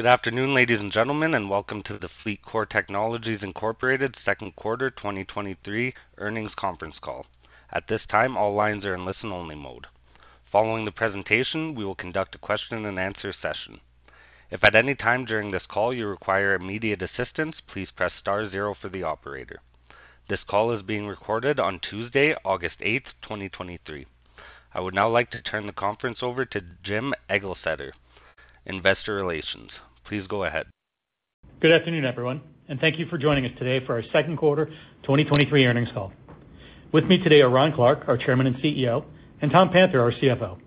Good afternoon, ladies and gentlemen, and welcome to the FLEETCOR Technologies, Inc. Second Quarter 2023 Earnings Conference Call. At this time, all lines are in listen-only mode. Following the presentation, we will conduct a question-and-answer session. If at any time during this call you require immediate assistance, please press star 0 for the operator. This call is being recorded on Tuesday, August 8, 2023. I would now like to turn the conference over to Jim Eglseder, Investor Relations. Please go ahead. Good afternoon, everyone, thank you for joining us today for our second quarter 2023 earnings call. With me today are Ron Clarke, our Chairman and CEO, and Tom Panther, our CFO.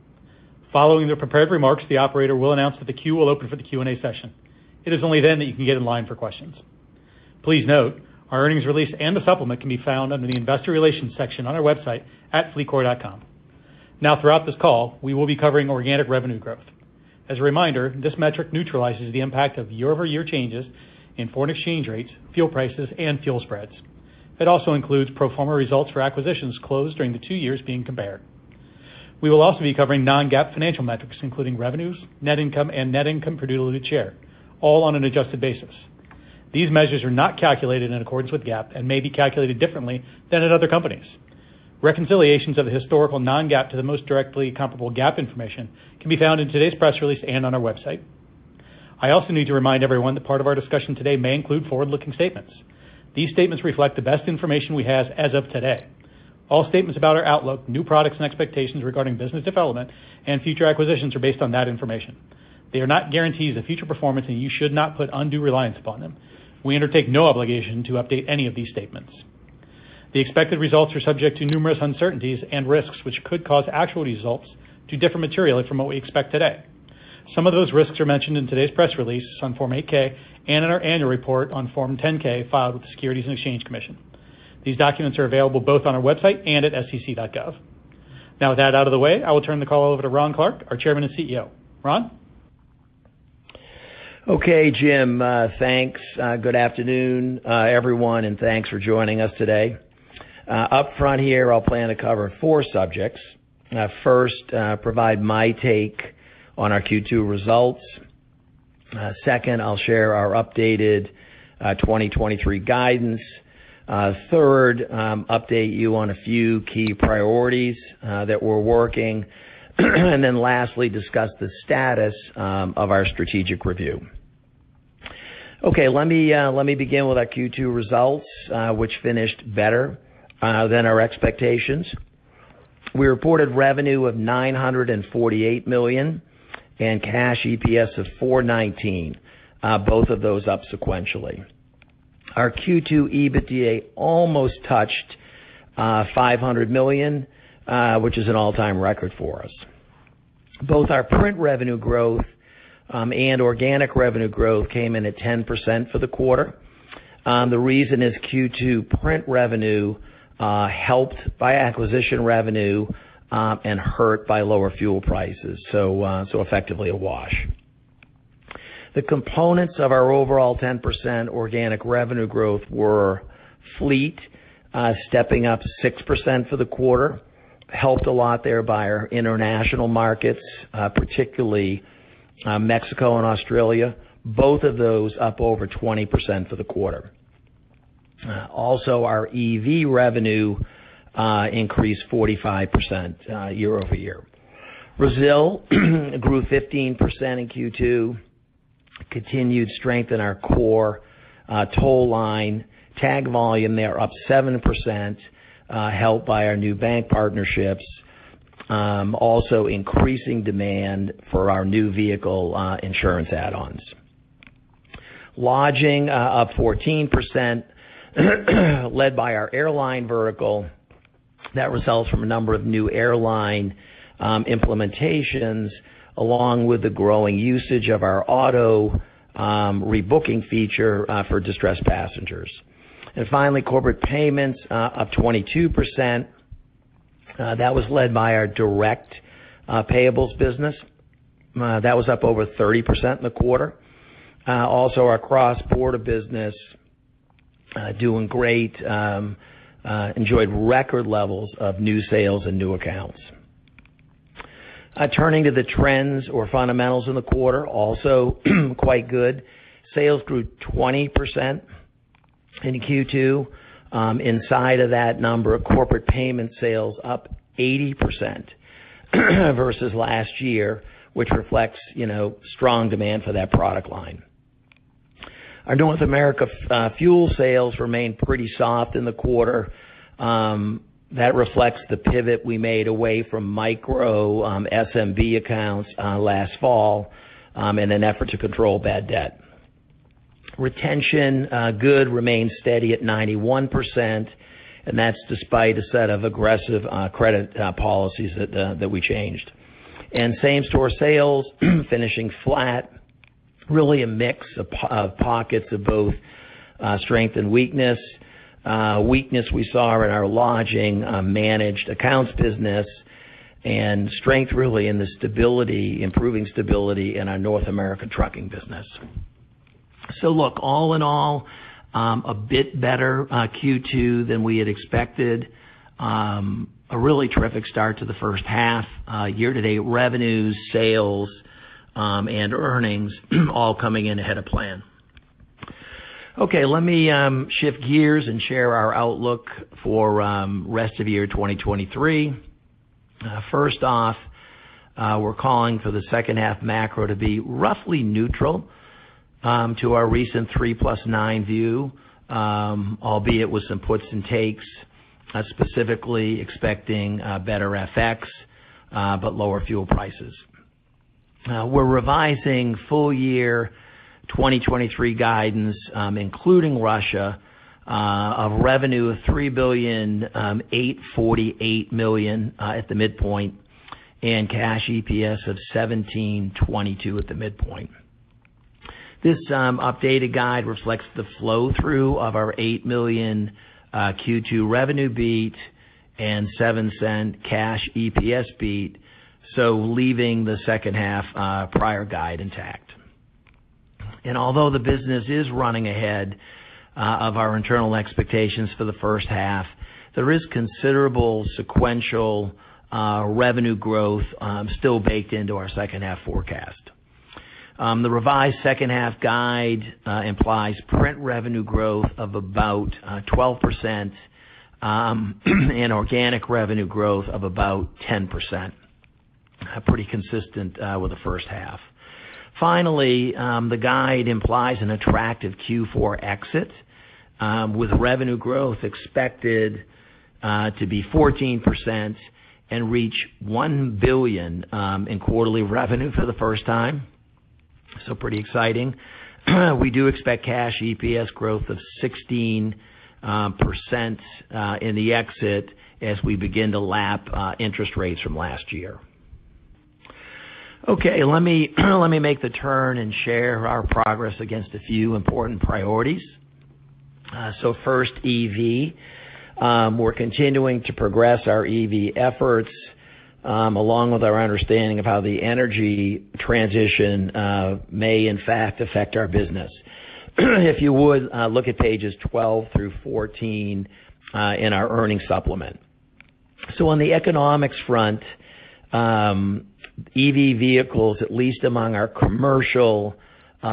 Following the prepared remarks, the operator will announce that the queue will open for the Q&A session. It is only then that you can get in line for questions. Please note, our earnings release and the supplement can be found under the Investor Relations section on our website at fleetcor.com. Now, throughout this call, we will be covering organic revenue growth. As a reminder, this metric neutralizes the impact of year-over-year changes in foreign exchange rates, fuel prices, and fuel spreads. It also includes pro forma results for acquisitions closed during the two years being compared. We will also be covering non-GAAP financial metrics, including revenues, net income, and net income per diluted share, all on an adjusted basis. These measures are not calculated in accordance with GAAP and may be calculated differently than at other companies. Reconciliations of the historical non-GAAP to the most directly comparable GAAP information can be found in today's press release and on our website. I also need to remind everyone that part of our discussion today may include forward-looking statements. These statements reflect the best information we have as of today. All statements about our outlook, new products, and expectations regarding business development and future acquisitions are based on that information. They are not guarantees of future performance, and you should not put undue reliance upon them. We undertake no obligation to update any of these statements. The expected results are subject to numerous uncertainties and risks, which could cause actual results to differ materially from what we expect today. Some of those risks are mentioned in today's press release on Form 8-K and in our annual report on Form 10-K, filed with the Securities and Exchange Commission. These documents are available both on our website and at sec.gov. Now, with that out of the way, I will turn the call over to Ron Clarke, our Chairman and CEO. Ron? Okay, Jim, thanks. Good afternoon, everyone, and thanks for joining us today. Upfront here, I'll plan to cover four subjects. First, provide my take on our Q2 results. Second, I'll share our updated 2023 guidance. Third, update you on a few key priorities that we're working. Lastly, discuss the status of our strategic review. Okay, let me let me begin with our Q2 results, which finished better than our expectations. We reported revenue of $948 million and cash EPS of $4.19, both of those up sequentially. Our Q2 EBITDA almost touched $500 million, which is an all-time record for us. Both our print revenue growth and organic revenue growth came in at 10% for the quarter. The reason is Q2 print revenue helped by acquisition revenue and hurt by lower fuel prices, effectively a wash. The components of our overall 10% organic revenue growth were fleet stepping up 6% for the quarter, helped a lot there by our international markets, particularly Mexico and Australia, both of those up over 20% for the quarter. Our EV revenue increased 45% year-over-year. Brazil grew 15% in Q2, continued strength in our core toll line tag volume, they are up 7%, helped by our new bank partnerships, also increasing demand for our new vehicle insurance add-ons. Lodging up 14%, led by our airline vertical. That results from a number of new airline implementations, along with the growing usage of our auto rebooking feature for distressed passengers. Finally, Corporate Payments up 22%. That was led by our direct payables business. That was up over 30% in the quarter. Also, our cross-border business doing great, enjoyed record levels of new sales and new accounts. Turning to the trends or fundamentals in the quarter, also, quite good. Sales grew 20% in Q2. Inside of that number, Corporate Payment sales up 80% versus last year, which reflects, you know, strong demand for that product line. Our North America fuel sales remained pretty soft in the quarter. That reflects the pivot we made away from micro, SMB accounts, last fall, in an effort to control bad debt. Retention, good, remains steady at 91%, that's despite a set of aggressive credit policies that we changed. Same-store sales, finishing flat, really a mix of pockets of both strength and weakness. Weakness we saw in our lodging, managed accounts, business, and strength, really, in the stability- improving stability in our North America trucking business. Look, all in all, a bit better Q2 than we had expected. A really terrific start to the first half, year-to-date revenues, sales, and earnings, all coming in ahead of plan. Okay, let me shift gears and share our outlook for rest of year 2023. First off, we're calling for the second half macro to be roughly neutral to our recent three plus nine view, albeit with some puts and takes, specifically expecting better FX, but lower fuel prices. We're revising full year 2023 guidance, including Russia, of revenue of $3.848 billion at the midpoint, and cash EPS of $17.22 at the midpoint. This updated guide reflects the flow-through of our $8 million Q2 revenue beat and $0.07 cash EPS beat, so leaving the second half prior guide intact. Although the business is running ahead of our internal expectations for the first half, there is considerable sequential revenue growth still baked into our second half forecast. The revised second half guide implies print revenue growth of about 12%, and organic revenue growth of about 10%. Pretty consistent with the first half. Finally, the guide implies an attractive Q4 exit, with revenue growth expected to be 14% and reach $1 billion in quarterly revenue for the first time. Pretty exciting. We do expect cash EPS growth of 16% in the exit as we begin to lap interest rates from last year. Okay, let me, let me make the turn and share our progress against a few important priorities. First, EV. We're continuing to progress our EV efforts, along with our understanding of how the energy transition may in fact affect our business. If you would, look at pages 12 through 14 in our earnings supplement. On the economics front, EV vehicles, at least among our commercial,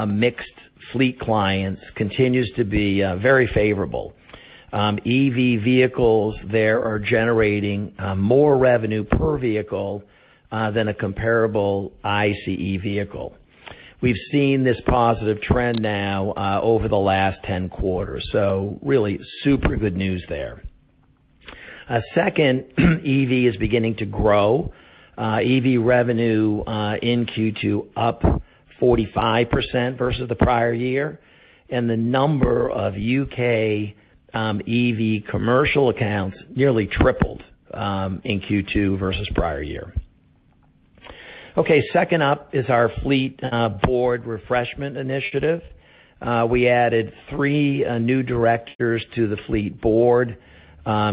mixed fleet clients, continues to be very favorable. EV vehicles there are generating more revenue per vehicle than a comparable ICE vehicle. We've seen this positive trend now over the last 10 quarters, really super good news there. Second, EV is beginning to grow. EV revenue in Q2, up 45% versus the prior year, and the number of UK EV commercial accounts nearly tripled in Q2 versus prior year. Second up is our fleet board refreshment initiative. We added 3 new directors to the fleet board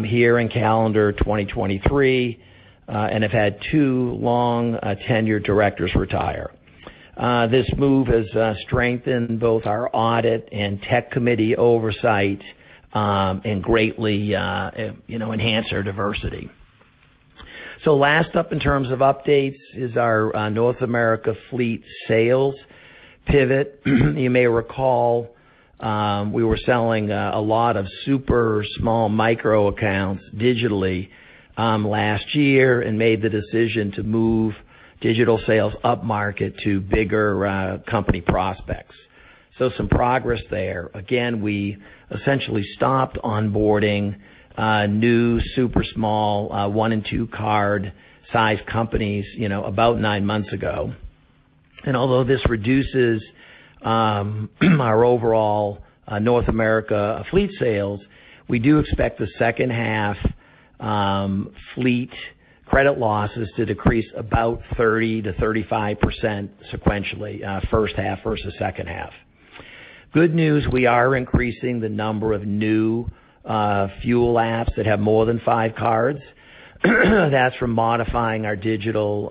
here in calendar 2023 and have had 2 long tenured directors retire. This move has strengthened both our audit and tech committee oversight and greatly, you know, enhanced our diversity. Last up in terms of updates is our North America fleet sales pivot. You may recall, we were selling a lot of super small micro accounts digitally last year and made the decision to move digital sales upmarket to bigger company prospects. So some progress there. Again, we essentially stopped onboarding new, super small, 1 and 2 card size companies, you know, about 9 months ago. And although this reduces our overall North America fleet sales, we do expect the second half fleet credit losses to decrease about 30%-35% sequentially, first half versus second half. Good news, we are increasing the number of new fuel apps that have more than 5 cards. That's from modifying our digital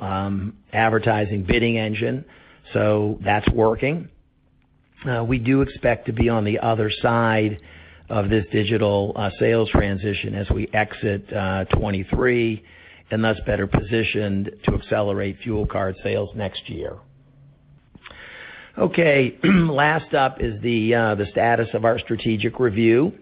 advertising bidding engine, so that's working. We do expect to be on the other side of this digital sales transition as we exit 2023, and thus better positioned to accelerate fuel card sales next year. Okay, last up is the status of our strategic review,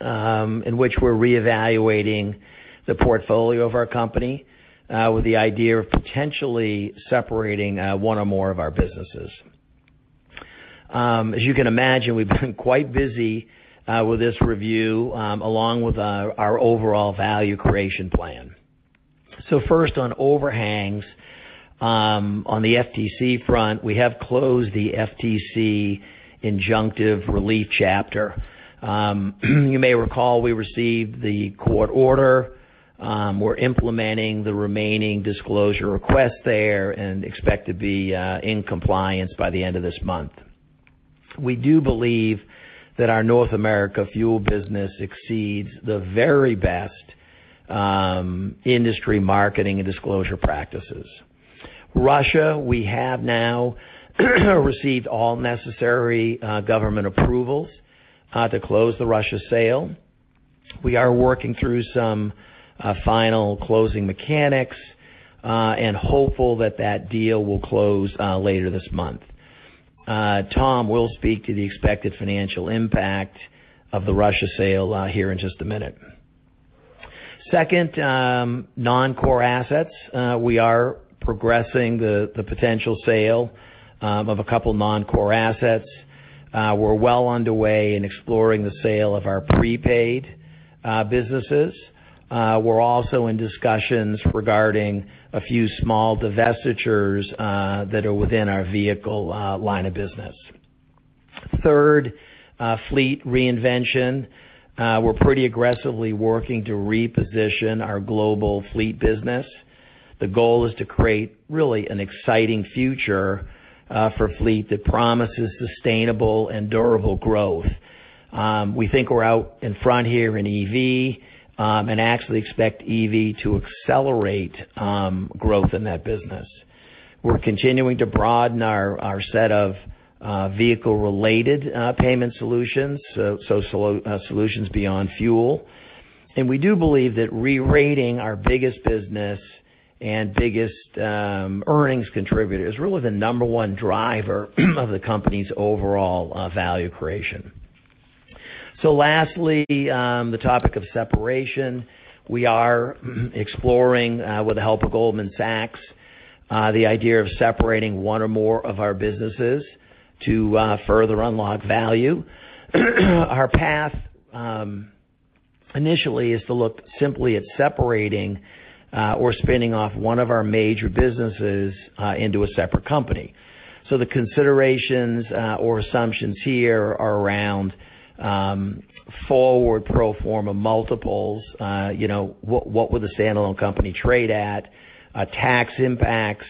in which we're reevaluating the portfolio of our company, with the idea of potentially separating one or more of our businesses. As you can imagine, we've been quite busy with this review, along with our overall value creation plan. First on overhangs, on the FTC front, we have closed the FTC injunctive relief chapter. You may recall we received the court order. We're implementing the remaining disclosure requests there and expect to be in compliance by the end of this month. We do believe that our North America fuel business exceeds the very best industry marketing and disclosure practices. Russia, we have now received all necessary government approvals to close the Russia sale. We are working through some final closing mechanics and hopeful that that deal will close later this month. Tom will speak to the expected financial impact of the Russia sale here in just a minute. Second, non-core assets. We are progressing the potential sale of a couple non-core assets. We're well underway in exploring the sale of our prepaid businesses. We're also in discussions regarding a few small divestitures that are within our vehicle line of business. Third, fleet reinvention. We're pretty aggressively working to reposition our global fleet business. The goal is to create really an exciting future for fleet that promises sustainable and durable growth. We think we're out in front here in EV, and actually expect EV to accelerate growth in that business. We're continuing to broaden our, our set of vehicle-related payment solutions, so solutions beyond fuel. We do believe that re-rating our biggest business and biggest earnings contributor is really the number one driver of the company's overall value creation. Lastly, the topic of separation. We are exploring, with the help of Goldman Sachs, the idea of separating one or more of our businesses to further unlock value. Our path, initially is to look simply at separating or spinning off one of our major businesses into a separate company. The considerations, or assumptions here are around forward pro forma multiples. You know, what, what would the standalone company trade at? Tax impacts,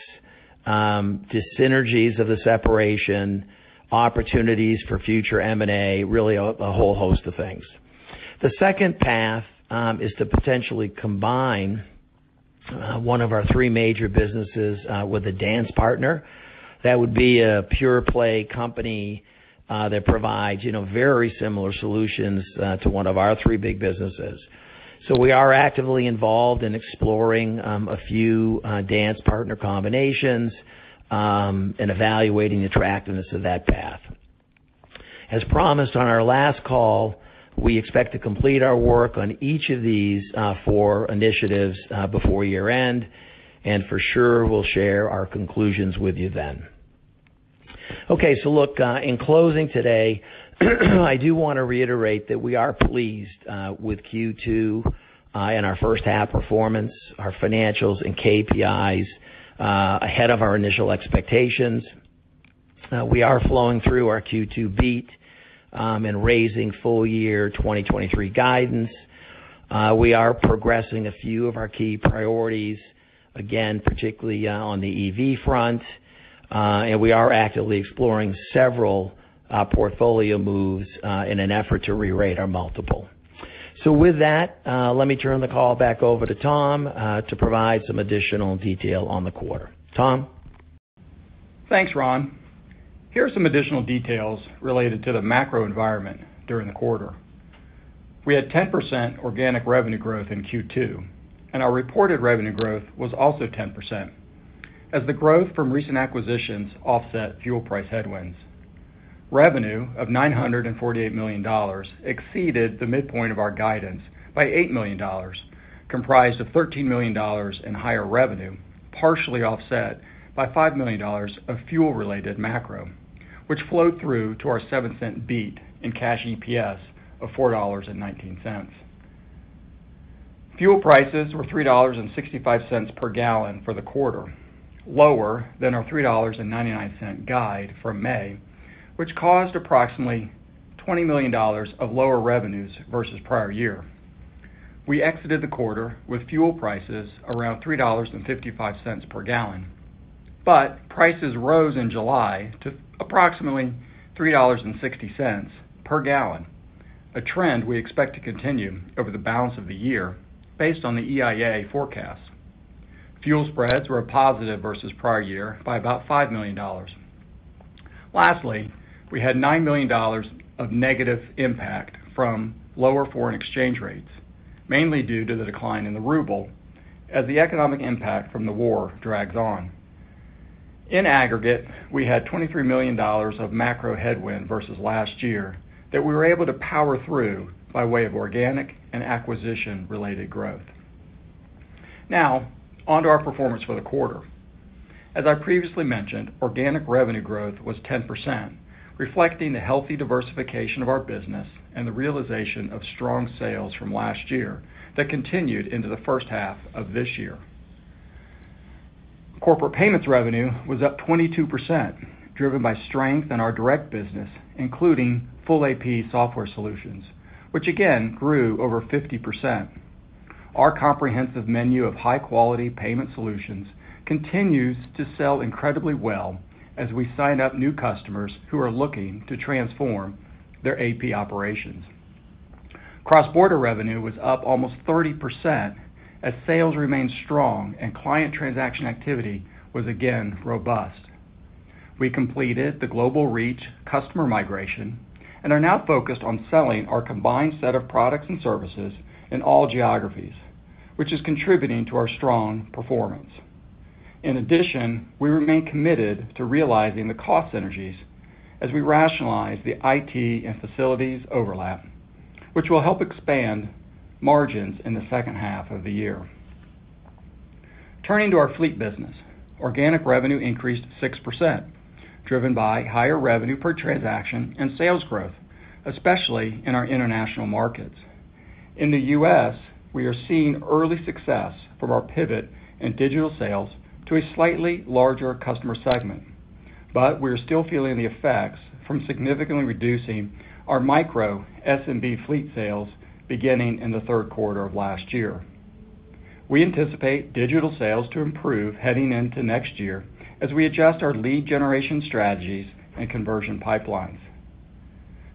the synergies of the separation, opportunities for future M&A, really a whole host of things. The second path is to potentially combine one of our three major businesses with a dance partner. That would be a pure play company that provides, you know, very similar solutions to one of our three big businesses. We are actively involved in exploring a few dance partner combinations and evaluating the attractiveness of that path. As promised on our last call, we expect to complete our work on each of these four initiatives before year-end, and for sure, we'll share our conclusions with you then. Look, in closing today, I do wanna reiterate that we are pleased with Q2 and our first half performance, our financials and KPIs, ahead of our initial expectations. We are flowing through our Q2 beat and raising full year 2023 guidance. We are progressing a few of our key priorities, again, particularly on the EV front, and we are actively exploring several portfolio moves in an effort to rerate our multiple. With that, let me turn the call back over to Tom to provide some additional detail on the quarter. Tom? Thanks, Ron. Here are some additional details related to the macro environment during the Q2. We had 10% organic revenue growth in Q2, and our reported revenue growth was also 10%, as the growth from recent acquisitions offset fuel price headwinds. Revenue of $948 million exceeded the midpoint of our guidance by $8 million, comprised of $13 million in higher revenue, partially offset by $5 million of fuel-related macro, which flowed through to our $0.07 beat in cash EPS of $4.19. Fuel prices were $3.65 per gallon for the quarter, lower than our $3.99 guide from May, which caused approximately $20 million of lower revenues versus prior year. We exited the quarter with fuel prices around $3.55 per gallon. Prices rose in July to approximately $3.60 per gallon, a trend we expect to continue over the balance of the year based on the EIA forecast. Fuel spreads were positive versus prior year by about $5 million. Lastly, we had $9 million of negative impact from lower foreign exchange rates, mainly due to the decline in the ruble as the economic impact from the war drags on. In aggregate, we had $23 million of macro headwind versus last year that we were able to power through by way of organic and acquisition-related growth. Now, onto our performance for the quarter. As I previously mentioned, organic revenue growth was 10%, reflecting the healthy diversification of our business and the realization of strong sales from last year that continued into the first half of this year. Corporate payments revenue was up 22%, driven by strength in our direct business, including full AP software solutions, which again grew over 50%. Our comprehensive menu of high-quality payment solutions continues to sell incredibly well as we sign up new customers who are looking to transform their AP operations. Cross-border revenue was up almost 30%, as sales remained strong and client transaction activity was again robust. We completed the Global Reach Group customer migration and are now focused on selling our combined set of products and services in all geographies, which is contributing to our strong performance. In addition, we remain committed to realizing the cost synergies as we rationalize the IT and facilities overlap, which will help expand margins in the second half of the year. Turning to our fleet business, organic revenue increased 6%, driven by higher revenue per transaction and sales growth, especially in our international markets. In the US, we are seeing early success from our pivot in digital sales to a slightly larger customer segment, but we are still feeling the effects from significantly reducing our micro SMB fleet sales beginning in the 3rd quarter of last year. We anticipate digital sales to improve heading into next year as we adjust our lead generation strategies and conversion pipelines.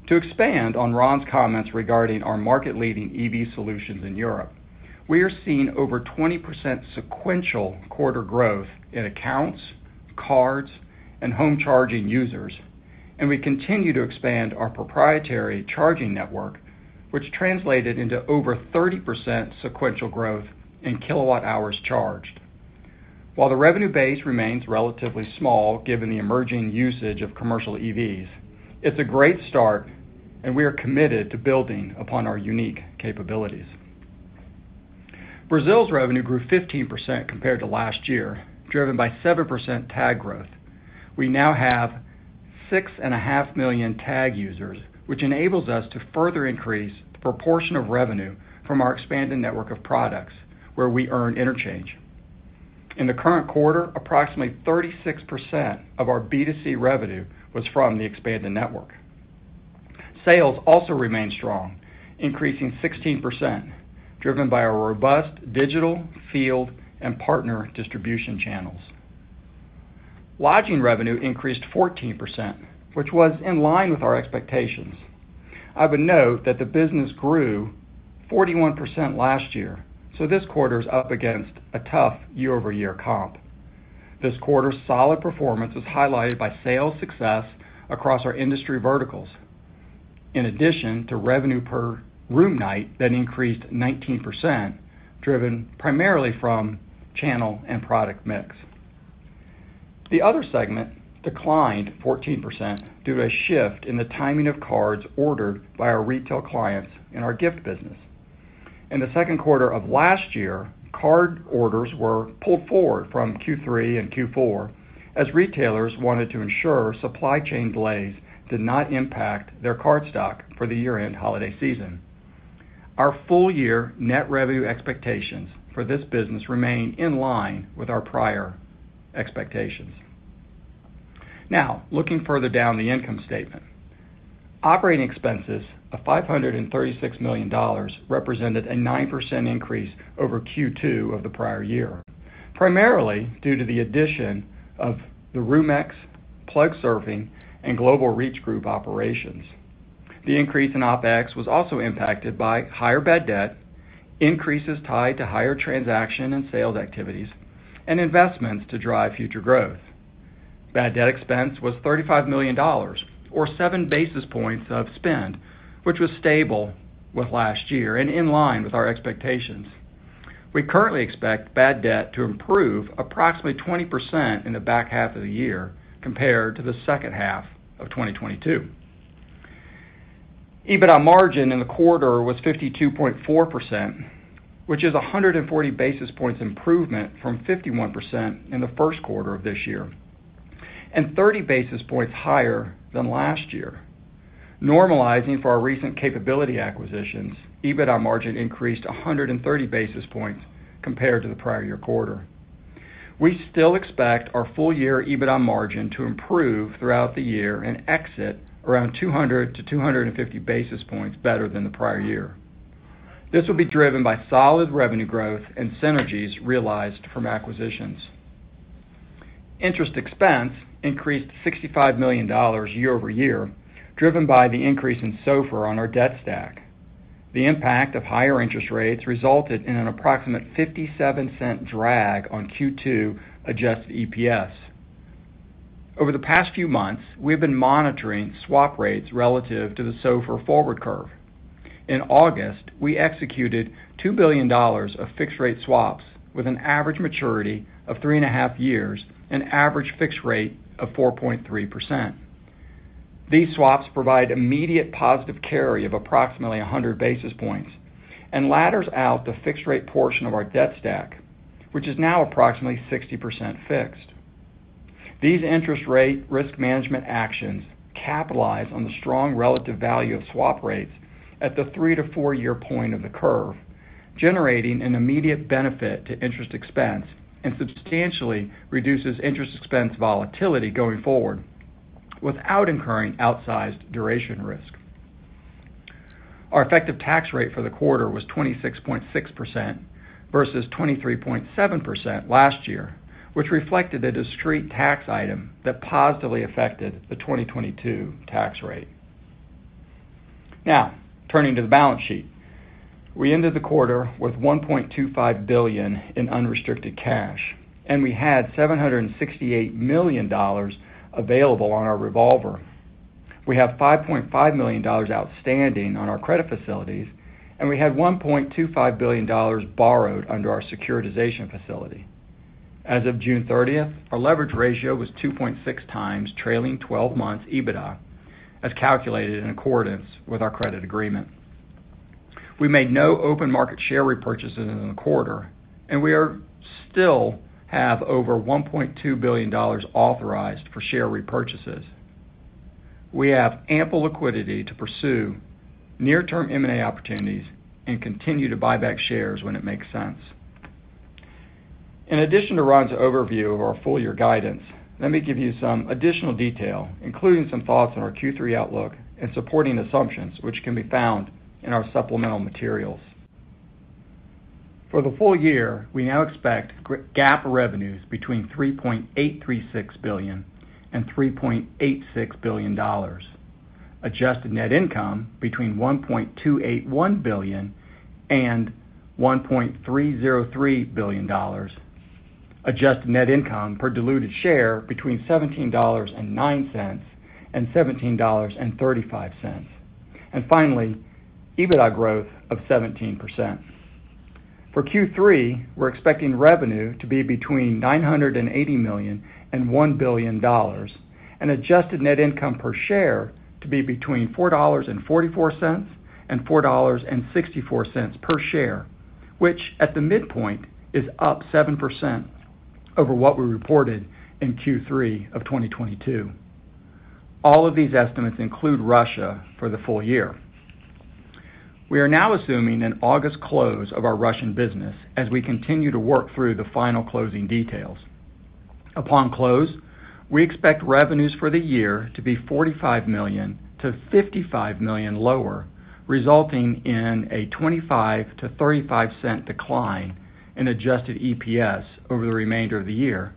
To expand on Ron Clarke's comments regarding our market-leading EV solutions in Europe, we are seeing over 20% sequential quarter growth in accounts, cards, and home charging users, and we continue to expand our proprietary charging network, which translated into over 30% sequential growth in kWh charged. While the revenue base remains relatively small, given the emerging usage of commercial EVs, it's a great start, and we are committed to building upon our unique capabilities. Brazil's revenue grew 15% compared to last year, driven by 7% tag growth. We now have 6.5 million tag users, which enables us to further increase the proportion of revenue from our expanding network of products, where we earn interchange. In the current quarter, approximately 36% of our B2C revenue was from the expanded network. Sales also remained strong, increasing 16%, driven by our robust digital, field, and partner distribution channels. Lodging revenue increased 14%, which was in line with our expectations. I would note that the business grew 41% last year, this quarter is up against a tough year-over-year comp. This quarter's solid performance was highlighted by sales success across our industry verticals, in addition to revenue per room night that increased 19%, driven primarily from channel and product mix. The other segment declined 14% due to a shift in the timing of cards ordered by our retail clients in our gift business. In Q2 of last year, card orders were pulled forward from Q3 and Q4 as retailers wanted to ensure supply chain delays did not impact their card stock for the year-end holiday season. Our full year net revenue expectations for this business remain in line with our prior expectations. Looking further down the income statement. Operating expenses of $536 million represented a 9% increase over Q2 of the prior year, primarily due to the addition of the Roomex, Plugsurfing, and Global Reach Group operations. The increase in OpEx was also impacted by higher bad debt, increases tied to higher transaction and sales activities, and investments to drive future growth. Bad debt expense was $35 million, or 7 basis points of spend, which was stable with last year and in line with our expectations. We currently expect bad debt to improve approximately 20% in the back half of the year compared to the second half of 2022. EBITDA margin in the quarter was 52.4%, which is 140 basis points improvement from 51% in the first quarter of this year. 30 basis points higher than last year. Normalizing for our recent capability acquisitions, EBITDA margin increased 130 basis points compared to the prior year quarter. We still expect our full-year EBITDA margin to improve throughout the year and exit around 200-250 basis points better than the prior year. This will be driven by solid revenue growth and synergies realized from acquisitions. Interest expense increased $65 million year-over-year, driven by the increase in SOFR on our debt stack. The impact of higher interest rates resulted in an approximate $0.57 drag on Q2 adjusted EPS. Over the past few months, we have been monitoring swap rates relative to the SOFR forward curve. In August, we executed $2 billion of fixed-rate swaps with an average maturity of 3.5 years and average fixed rate of 4.3%. These swaps provide immediate positive carry of approximately 100 basis points and ladders out the fixed-rate portion of our debt stack, which is now approximately 60% fixed. These interest rate risk management actions capitalize on the strong relative value of swap rates at the 3-4 year point of the curve, generating an immediate benefit to interest expense, and substantially reduces interest expense volatility going forward without incurring outsized duration risk. Our effective tax rate for the quarter was 26.6% versus 23.7% last year, which reflected a discrete tax item that positively affected the 2022 tax rate. Turning to the balance sheet. We ended the quarter with $1.25 billion in unrestricted cash, and we had $768 million available on our revolver. We have $5.5 million outstanding on our credit facilities, and we had $1.25 billion borrowed under our securitization facility. As of June 30th, our leverage ratio was 2.6x trailing twelve months EBITDA, as calculated in accordance with our credit agreement. We made no open market share repurchases in the quarter, and we are still have over $1.2 billion authorized for share repurchases. We have ample liquidity to pursue near-term M&A opportunities and continue to buy back shares when it makes sense. In addition to Ron's overview of our full year guidance, let me give you some additional detail, including some thoughts on our Q3 outlook and supporting assumptions, which can be found in our supplemental materials. For the full year, we now expect GAAP revenues between $3.836 billion and $3.86 billion. Adjusted net income between $1.281 billion and $1.303 billion. Adjusted net income per diluted share between $17.09 and $17.35. Finally, EBITDA growth of 17%. For Q3, we're expecting revenue to be between $980 million and $1 billion, and adjusted net income per share to be between $4.44 and $4.64 per share, which at the midpoint, is up 7% over what we reported in Q3 of 2022. All of these estimates include Russia for the full year. We are now assuming an August close of our Russian business as we continue to work through the final closing details. Upon close, we expect revenues for the year to be $45 million-$55 million lower, resulting in a $0.25-$0.35 decline in adjusted EPS over the remainder of the year,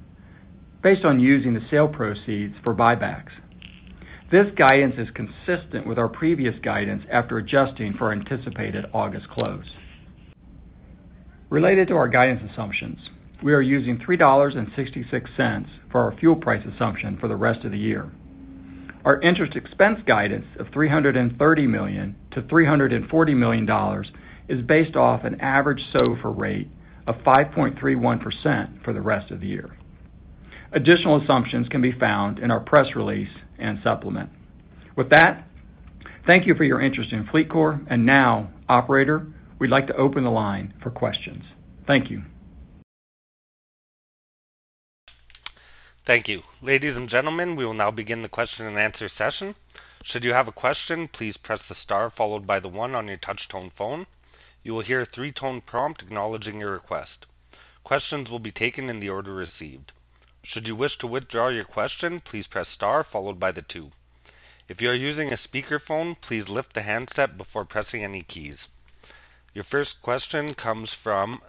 based on using the sale proceeds for buybacks. This guidance is consistent with our previous guidance after adjusting for anticipated August close. Related to our guidance assumptions, we are using $3.66 for our fuel price assumption for the rest of the year. Our interest expense guidance of $330 million-$340 million is based off an average SOFR rate of 5.31% for the rest of the year. Additional assumptions can be found in our press release and supplement. With that, thank you for your interest in Corpay. Now, operator, we'd like to open the line for questions. Thank you. Thank you. Ladies and gentlemen, we will now begin the question and answer session. Should you have a question, please press the star followed by the one on your touch tone phone. You will hear a three-tone prompt acknowledging your request. Questions will be taken in the order received. Should you wish to withdraw your question, please press star followed by the two. If you are using a speakerphone, please lift the handset before pressing any keys. Your first question comes from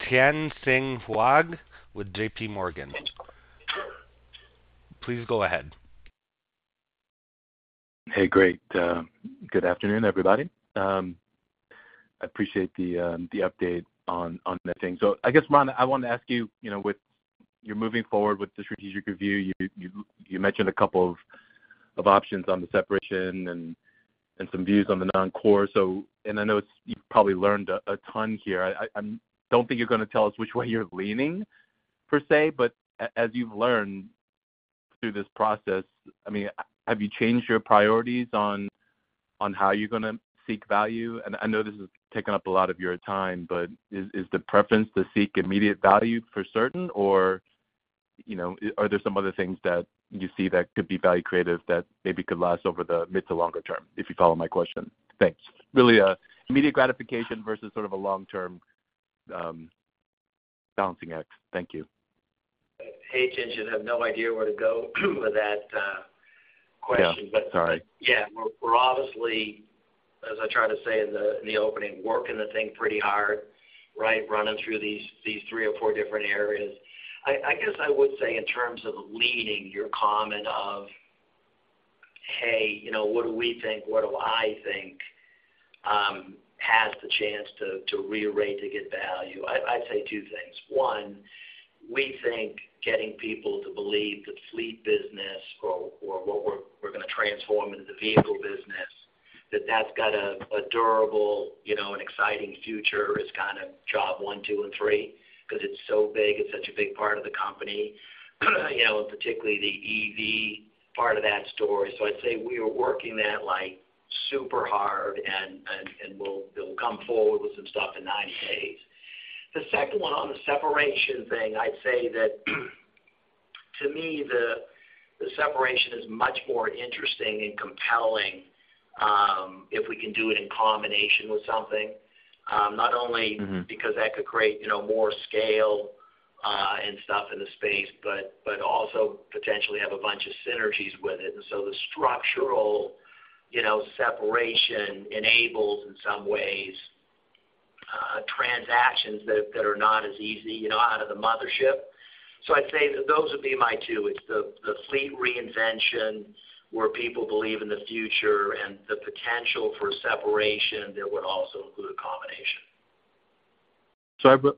Tien-Tsin Huang with J.P. Morgan. Please go ahead. Hey, great. Good afternoon, everybody. I appreciate the update on that thing. I guess, Ron Clarke, I want to ask you, you know, with you're moving forward with the strategic review, you mentioned a couple of options on the separation and some views on the non-core. I know you've probably learned a ton here. I don't think you're going to tell us which way you're leaning, per se, but as you've learned through this process, I mean, have you changed your priorities on how you're going to seek value? I know this has taken up a lot of your time, but is the preference to seek immediate value for certain? You know, are there some other things that you see that could be value creative, that maybe could last over the mid to longer term, if you follow my question? Thanks. Really, immediate gratification versus sort of a long-term balancing act. Thank you. Hey, Tien, should have no idea where to go with that question. Yeah, sorry. Yeah, we're, we're obviously, as I tried to say in the, in the opening, working the thing pretty hard, right? Running through these, these three or four different areas. I, I guess I would say in terms of leaning your comment of, hey, you know, what do we think? What do I think, has the chance to, to rearray, to get value? I'd, I'd say two things. One, we think getting people to believe that Fleet business or, or what we're, we're going to transform into the vehicle business, that that's got a, a durable, you know, an exciting future, is kind of job one, two, and three, because it's so big, it's such a big part of the company, you know, and particularly the EV part of that story. I'd say we are working that, like, super hard, and we'll come forward with some stuff in 90 days. The second one, on the separation thing, I'd say that, to me, the separation is much more interesting and compelling, if we can do it in combination with something, not only- Mm-hmm... because that could create, you know, more scale and stuff in the space, but also potentially have a bunch of synergies with it. The structural, you know, separation enables, in some ways-... transactions that are not as easy, you know, out of the mothership. I'd say that those would be my two. It's the fleet reinvention, where people believe in the future, and the potential for separation that would also include a combination.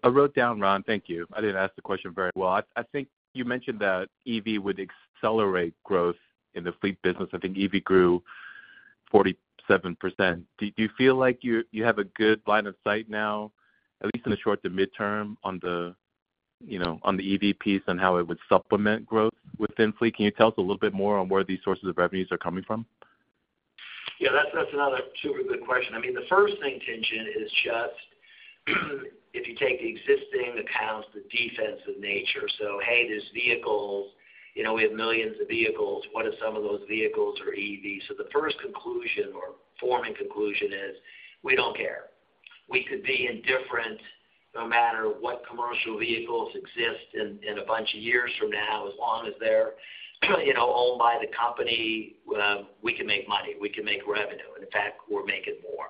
I wrote down, Ron, thank you. I didn't ask the question very well. I, I think you mentioned that EV would accelerate growth in the fleet business. I think EV grew 47%. Do you feel like you, you have a good line of sight now, at least in the short to midterm, on the, you know, on the EV piece and how it would supplement growth within fleet? Can you tell us a little bit more on where these sources of revenues are coming from? Yeah, that's, that's another super good question. I mean, the first thing to mention is just, if you take the existing accounts, the defensive nature. Hey, there's vehicles, you know, we have millions of vehicles. What if some of those vehicles are EVs? The first conclusion or forming conclusion is, we don't care. We could be indifferent, no matter what commercial vehicles exist in, in a bunch of years from now, as long as they're, you know, owned by the company, we can make money, we can make revenue. In fact, we're making more.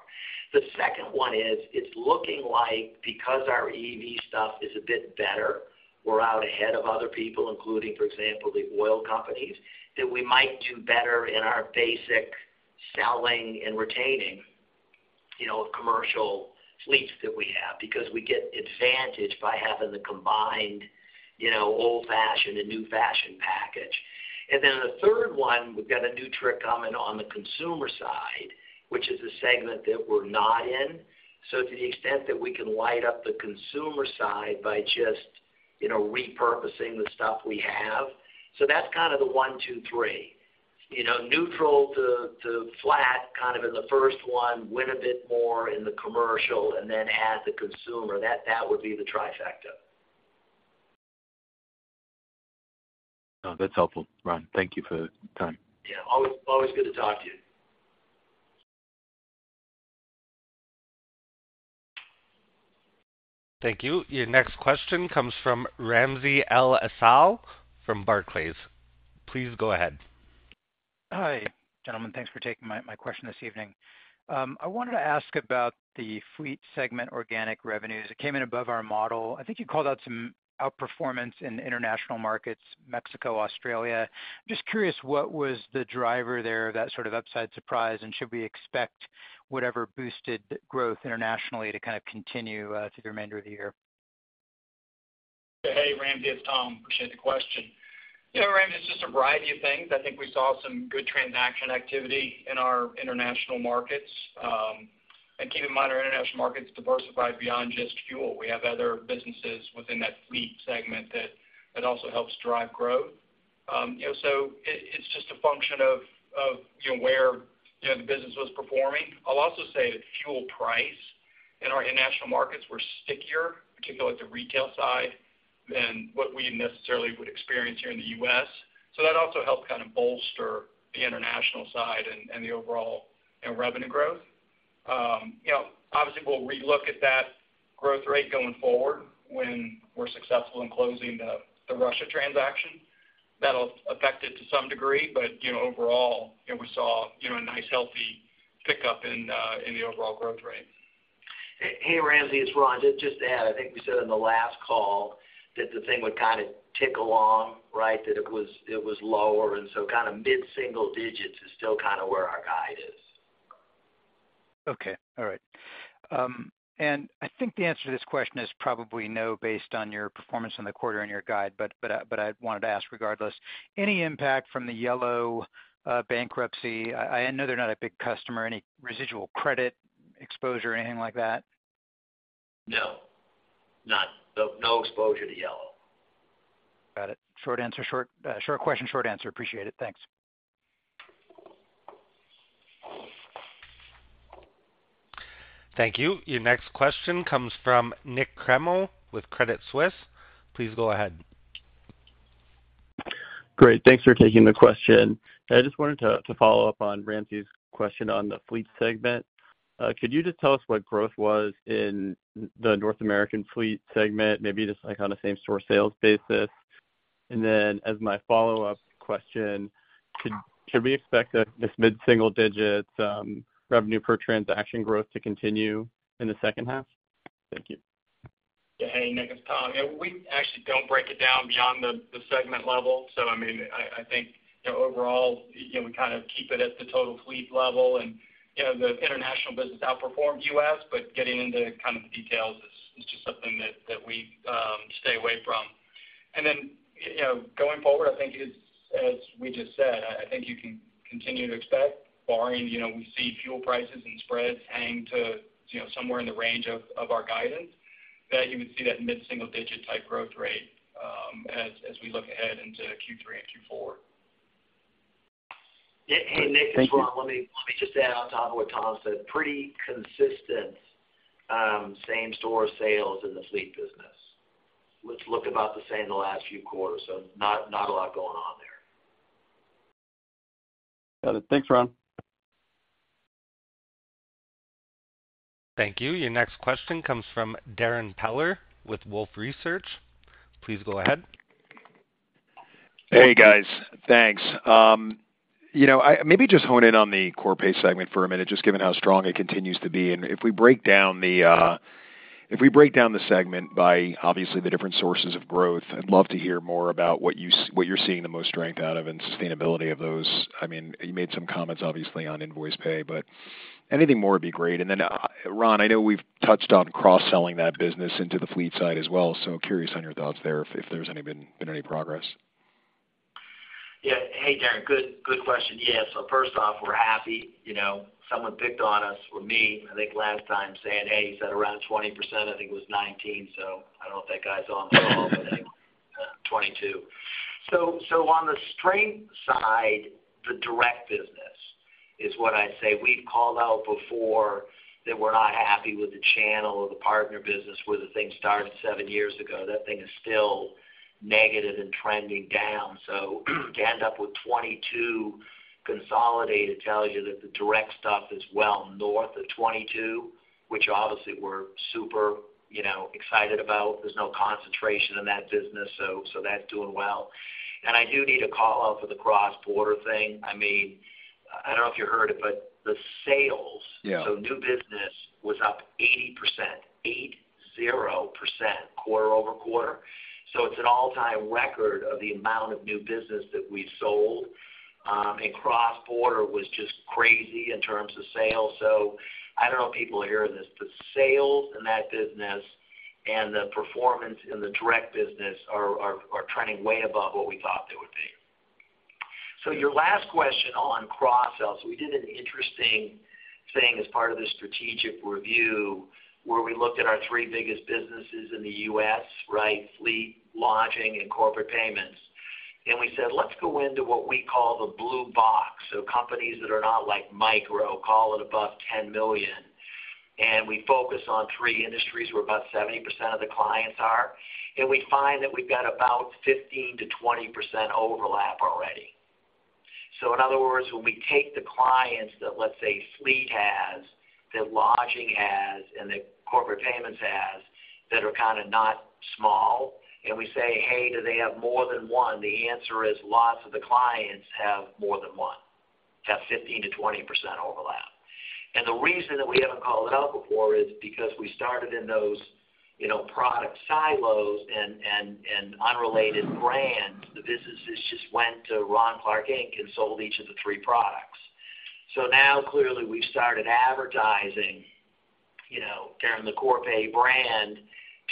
The second one is, it's looking like because our EV stuff is a bit better, we're out ahead of other people, including, for example, the oil companies, that we might do better in our basic selling and retaining, you know, commercial fleets that we have, because we get advantage by having the combined, you know, old-fashioned and new-fashioned package. Then the third one, we've got a new trick coming on the consumer side, which is a segment that we're not in. To the extent that we can light up the consumer side by just, you know, repurposing the stuff we have. That's kind of the one, two, three. You know, neutral to, to flat, kind of in the first one, win a bit more in the commercial, and then add the consumer. That, that would be the trifecta. Oh, that's helpful, Ron. Thank you for the time. Yeah. Always, always good to talk to you. Thank you. Your next question comes from Ramsey El-Assal from Barclays. Please go ahead. Hi, gentlemen. Thanks for taking my, my question this evening. I wanted to ask about the fleet segment organic revenues. It came in above our model. I think you called out some outperformance in international markets, Mexico, Australia. Just curious, what was the driver there of that sort of upside surprise? Should we expect whatever boosted growth internationally to kind of continue through the remainder of the year? Hey, Ramzi, it's Tom. Appreciate the question. You know, Ramzi, it's just a variety of things. I think we saw some good transaction activity in our international markets. Keep in mind, our international market is diversified beyond just fuel. We have other businesses within that fleet segment that, that also helps drive growth. You know, so it, it's just a function of, of, you know, where, you know, the business was performing. I'll also say that fuel price in our international markets were stickier, particularly at the retail side, than what we necessarily would experience here in the US. That also helped kind of bolster the international side and, and the overall, you know, revenue growth. You know, obviously, we'll relook at that growth rate going forward when we're successful in closing the, the Russia transaction. That'll affect it to some degree, but, you know, overall, you know, we saw, you know, a nice, healthy pickup in, in the overall growth rate. Hey, Ramzi, it's Ron. Just, just to add, I think we said on the last call that the thing would kind of tick along, right? That it was, it was lower, and so kind of mid-single digits is still kind of where our guide is. Okay. All right. I think the answer to this question is probably no, based on your performance in the quarter and your guide, but, but, but I wanted to ask regardless. Any impact from the Yellow bankruptcy? I, I know they're not a big customer. Any residual credit exposure or anything like that? No. None. No, no exposure to Yellow. Got it. Short answer, short question, short answer. Appreciate it. Thanks. Thank you. Your next question comes from Nik Cremo with Credit Suisse. Please go ahead. Great. Thanks for taking the question. I just wanted to, to follow up on Ramzi's question on the fleet segment. Could you just tell us what growth was in the North American fleet segment, maybe just, like, on a same store sales basis? As my follow-up question, could, should we expect that this mid-single digit revenue per transaction growth to continue in the second half? Thank you. Hey, Nik, it's Tom. Yeah, we actually don't break it down beyond the, the segment level. I mean, I, I think, you know, overall, you know, we kind of keep it at the total fleet level and, you know, the international business outperformed U.S., but getting into kind of the details is just something that, that we stay away from. Then, you know, going forward, I think it's as we just said, I, I think you can continue to expect barring, you know, we see fuel prices and spreads hang to, you know, somewhere in the range of our guidance, that you would see that mid-single digit type growth rate as we look ahead into Q3 and Q4. Yeah. Hey, Nik, it's Ron. Thank you. Let me, let me just add on top of what Tom said, pretty consistent, same store sales in the fleet business. It's looked about the same in the last few quarters, so not, not a lot going on there. Got it. Thanks, Ron. Thank you. Your next question comes from Darrin Peller with Wolfe Research. Please go ahead. Hey, guys, thanks. You know, I, maybe just hone in on the Corpay segment for a minute, just given how strong it continues to be. If we break down the, if we break down the segment by, obviously, the different sources of growth, I'd love to hear more about what you what you're seeing the most strength out of and sustainability of those. I mean, you made some comments, obviously, on invoice pay, but anything more would be great. Ron, I know we've touched on cross-selling that business into the fleet side as well, so curious on your thoughts there, if there's any progress? Yeah. Hey, Darrin, good, good question. Yeah, first off, we're happy. You know, someone picked on us or me, I think last time, saying, "Hey, you said around 20%," I think it was 19, I don't know if that guy's on the call today, 22. On the strength side, the direct business is what I'd say. We've called out before that we're not happy with the channel or the partner business, where the thing started 7 years ago. That thing is still negative and trending down. To end up with 22 consolidated tells you that the direct stuff is well north of 22, which obviously we're super, you know, excited about. There's no concentration in that business, that's doing well. I do need to call out for the cross-border thing. I mean, I don't know if you heard it, but the sales- Yeah. New business was up 80%, 80% quarter-over-quarter. It's an all-time record of the amount of new business that we've sold. Cross-border was just crazy in terms of sales. I don't know if people are hearing this, but sales in that business and the performance in the direct business are, are, are trending way above what we thought they would be. Your last question on cross-sells, we did an interesting thing as part of the strategic review, where we looked at our three biggest businesses in the U.S., right? Fleet, lodging, and corporate payments. We said, let's go into what we call the blue box, so companies that are not like micro, call it above $10 million. We focus on three industries, where about 70% of the clients are, and we find that we've got about 15%-20% overlap already. In other words, when we take the clients that, let say, fleet has, that lodging has, and that corporate payments has, that are kind of not small, and we say, "Hey, do they have more than one?" The answer is, lots of the clients have more than one. That's 15%-20% overlap. The reason that we haven't called it out before is because we started in those product silos and unrelated brands. The businesses just went to Ron Clark Inc. and sold each of the three products. Now, clearly, we've started advertising carrying the Corpay brand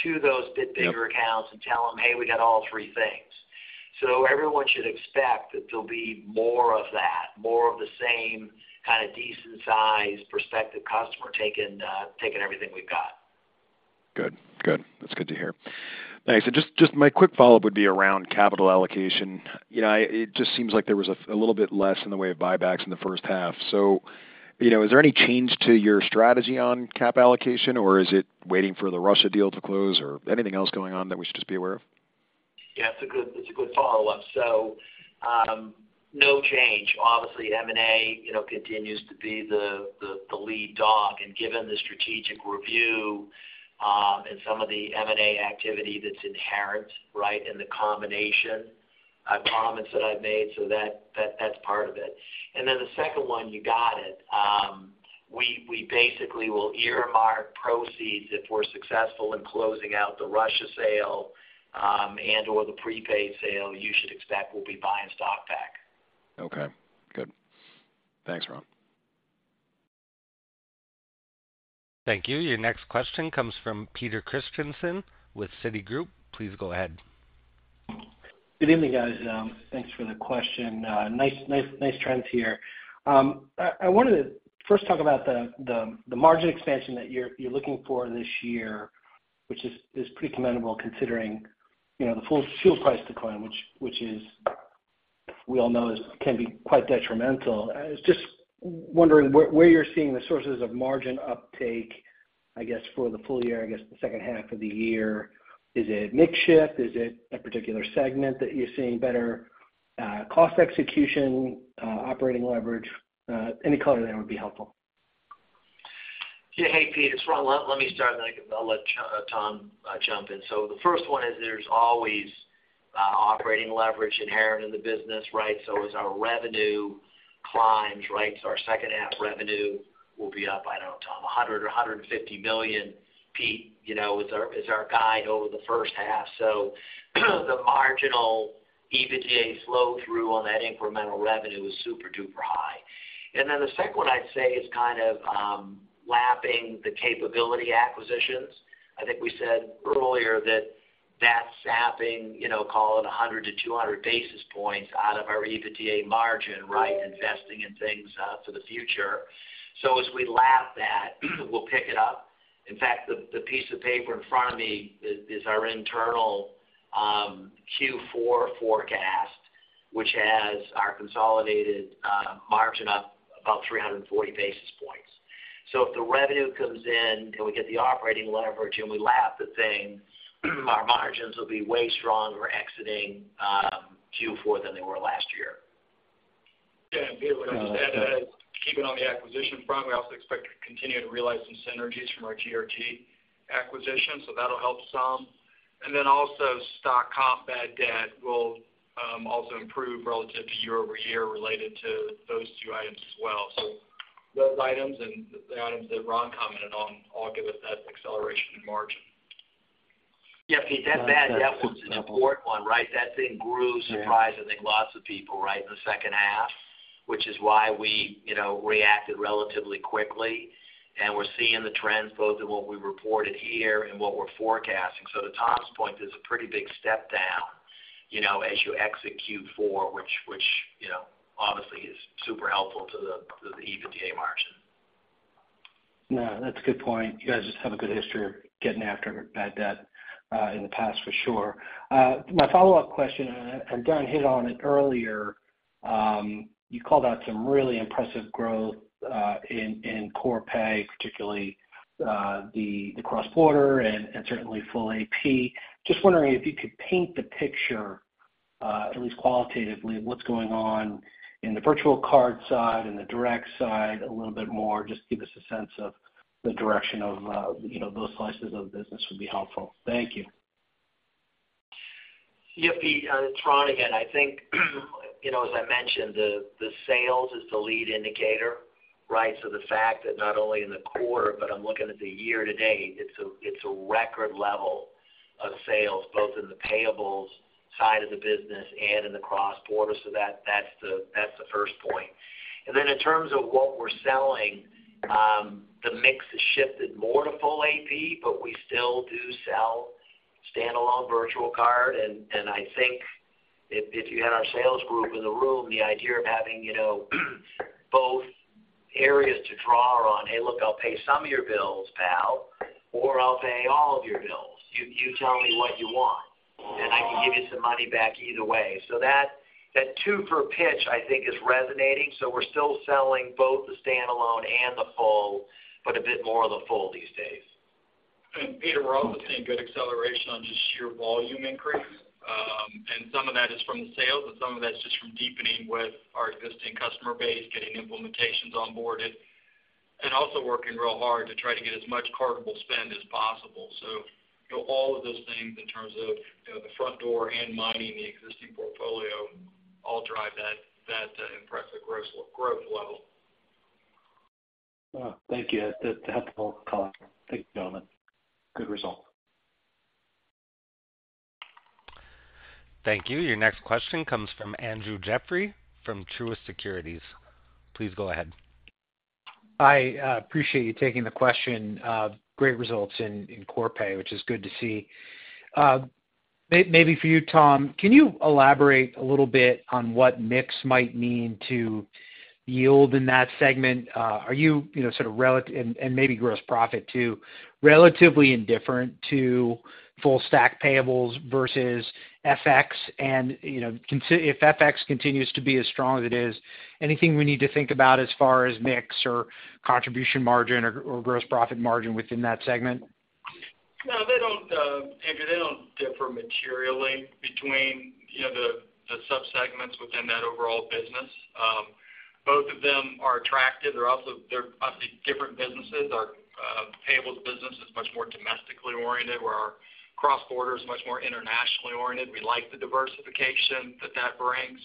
to those bit bigger accounts. Yep. Tell them, "Hey, we got all three things." Everyone should expect that there'll be more of that, more of the same kind of decent-sized prospective customer taking, taking everything we've got. Good. Good. That's good to hear. Thanks. Just, just my quick follow-up would be around capital allocation. You know, it just seems like there was a, a little bit less in the way of buybacks in the first half. You know, is there any change to your strategy on cap allocation, or is it waiting for the Russia deal to close, or anything else going on that we should just be aware of? Yeah, it's a good, it's a good follow-up. No change. Obviously, M&A, you know, continues to be the, the, the lead dog, and given the strategic review, and some of the M&A activity that's inherent, right, in the combination, a promise that I've made, so that, that, that's part of it. The second one, you got it. We, we basically will earmark proceeds if we're successful in closing out the Russia sale, and/or the Prepaid sale, you should expect we'll be buying stock back. Okay, good. Thanks, Ron. Thank you. Your next question comes from Peter Christiansen with Citigroup. Please go ahead. Good evening, guys. Thanks for the question. Nice, nice, nice trends here. I wanted to first talk about the margin expansion that you're looking for this year, which is pretty commendable, considering, you know, the full fuel price decline, which is, we all know, can be quite detrimental. I was just wondering where, where you're seeing the sources of margin uptake, I guess, for the full year, I guess, the second half of the year? Is it mix shift? Is it a particular segment that you're seeing better cost execution, operating leverage? Any color there would be helpful. Yeah. Hey, Pete, it's Ron. Let, let me start, and then I'll, I'll let Tom jump in. The first one is there's always operating leverage inherent in the business, right? As our revenue climbs, right, so our second half revenue will be up, I don't know, Tom, $100 million-$150 million. Pete, you know, is our, is our guide over the first half. The marginal EBITDA flow through on that incremental revenue is super-duper high. Then the second one I'd say is kind of lapping the capability acquisitions. I think we said earlier that that's sapping, you know, call it 100-200 basis points out of our EBITDA margin, right? Investing in things for the future. As we lap that, we'll pick it up. In fact, the piece of paper in front of me is our internal Q4 forecast, which has our consolidated margin up about 340 basis points. If the revenue comes in, and we get the operating leverage, and we lap the thing, our margins will be way stronger exiting Q4 than they were last year. I would just add that keeping on the acquisition front, we also expect to continue to realize some synergies from our GRG acquisition, so that'll help some. Also, stock comp bad debt will also improve relative to year-over-year related to those two items as well. Those items and the items that Ron commented on all give us that acceleration in margin. Yeah, Pete, that bad debt was an important one, right? That thing grew, surprisingly, lots of people, right, in the second half, which is why we, you know, reacted relatively quickly. We're seeing the trends, both in what we reported here and what we're forecasting. To Tom's point, there's a pretty big step down, you know, as you exit Q4, which, which, you know, obviously is super helpful to the, to the EBITDA margin. No, that's a good point. You guys just have a good history of getting after bad debt in the past, for sure. My follow-up question, Ron hit on it earlier, you called out some really impressive growth in, in Corpay, particularly the, the cross-border and, and certainly full AP. Just wondering if you could paint the picture, at least qualitatively, of what's going on in the virtual card side, in the direct side a little bit more. Just give us a sense of the direction of, you know, those slices of the business would be helpful. Thank you. Yeah, Pete, Ron again, I think, you know, as I mentioned, the, the sales is the lead indicator, right? The fact that not only in the quarter, but I'm looking at the year to date, it's a, it's a record level of sales, both in the payables side of the business and in the cross-border. That's the, that's the first point. Then in terms of what we're selling, the mix has shifted more to full AP, but we still do sell standalone virtual card. And I think if, if you had our sales group in the room, the idea of having, you know, both areas to draw on, "Hey, look, I'll pay some of your bills, pal, or I'll pay all of your bills. You, you tell me what you want, and I can give you some money back either way." That, that 2 for pitch, I think, is resonating. We're still selling both the standalone and the full, but a bit more of the full these days. Peter, we're also seeing good acceleration on just sheer volume increase. Some of that is from the sales, and some of that's just from deepening with our existing customer base, getting implementations on board, and also working real hard to try to get as much cardable spend as possible. All of those things in terms of, you know, the front door and mining the existing portfolio, all drive that, that impressive growth level. Thank you. That's a helpful call. Thank you, gentlemen. Good result. Thank you. Your next question comes from Andrew Jeffrey from Truist Securities. Please go ahead. I appreciate you taking the question. Great results in, in Corpay, which is good to see. Maybe for you, Tom, can you elaborate a little bit on what mix might mean to yield in that segment? Are you, you know, sort of and, and maybe gross profit too, relatively indifferent to full stack payables versus FX? You know, if FX continues to be as strong as it is, anything we need to think about as far as mix or contribution margin or, or gross profit margin within that segment? No, they don't, Andrew, they don't differ materially between, you know, the, the subsegments within that overall business. Both of them are attractive. They're also, they're obviously different businesses. Our payables business is much more domestically oriented, where our cross-border is much more internationally oriented. We like the diversification that that brings.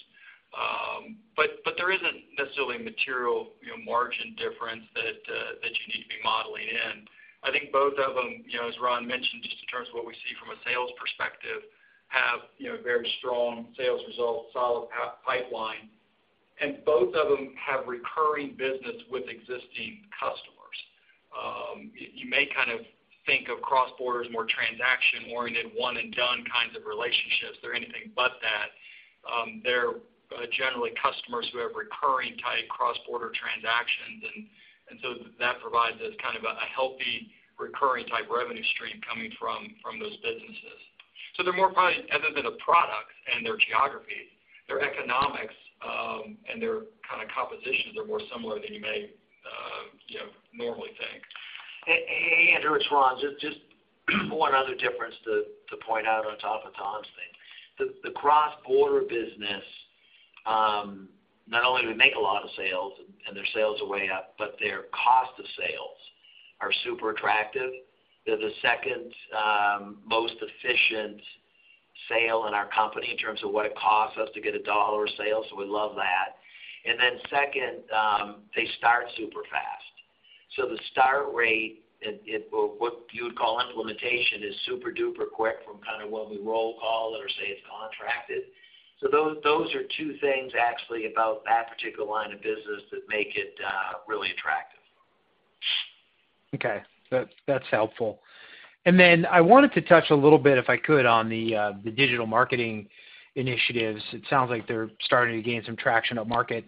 But, but there isn't necessarily material, you know, margin difference that you need to be modeling in. I think both of them, you know, as Ron mentioned, just in terms of what we see from a sales perspective, have, you know, very strong sales results, solid pipeline. Both of them have recurring business with existing customers. You may kind of think of cross-border as more transaction-oriented, one-and-done kinds of relationships. They're anything but that. They're generally customers who have recurring-type cross-border transactions, and so that provides us kind of a, a healthy, recurring type revenue stream coming from, from those businesses. They're more probably, other than a product and their geography, their economics, and their kind of compositions are more similar than you may, you know, normally think. Andrew, it's Ron. Just one other difference to point out on top of Tom's thing. The cross-border business, not only do we make a lot of sales, and their sales are way up, but their cost of sales are super attractive. They're the second, most efficient sale in our company in terms of what it costs us to get a $1 of sale, so we love that. Then second, they start super fast. So the start rate, or what you would call implementation, is super duper quick from kind of when we roll call or say it's contracted. So those, those are two things actually about that particular line of business that make it, really attractive. Okay, that's, that's helpful. Then I wanted to touch a little bit, if I could, on the, the digital marketing initiatives. It sounds like they're starting to gain some traction on market.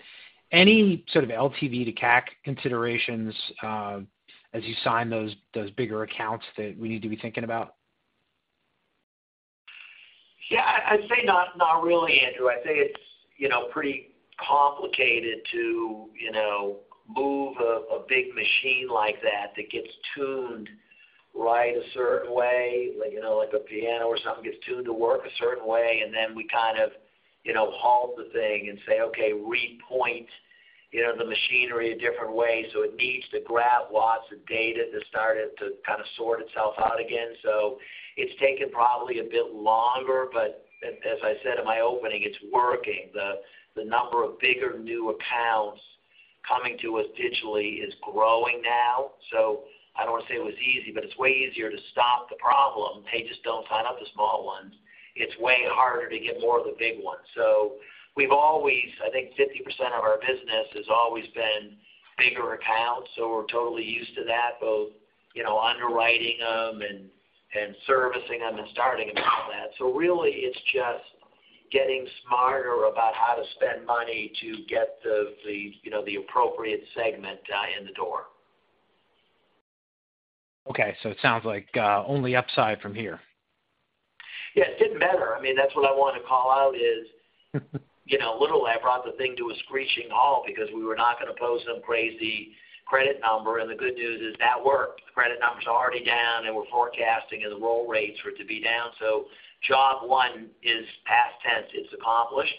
Any sort of LTV to CAC considerations, as you sign those, those bigger accounts that we need to be thinking about? Yeah, I'd say not, not really, Andrew. I'd say it's, you know, pretty complicated to, you know, move a big machine like that, that gets tuned right a certain way, like, you know, like a piano or something, gets tuned to work a certain way, and then we kind of, you know, halt the thing and say, okay, repoint, you know, the machinery a different way. It needs to grab lots of data to start it to kind of sort itself out again. It's taken probably a bit longer, but as, as I said in my opening, it's working. The number of bigger new accounts coming to us digitally is growing now. I don't want to say it was easy, but it's way easier to stop the problem. They just don't sign up the small ones. It's way harder to get more of the big ones. We've always, I think, 50% of our business has always been bigger accounts, so we're totally used to that, both, you know, underwriting them and, and servicing them and starting them and all that. Really, it's just getting smarter about how to spend money to get the, the, you know, the appropriate segment in the door. Okay, it sounds like, only upside from here. Yeah, it didn't matter. I mean, that's what I wanted to call out, you know, literally, I brought the thing to a screeching halt because we were not going to post some crazy credit number. The good news is that worked. The credit numbers are already down, we're forecasting as the roll rates were to be down. Job one is past tense. It's accomplished.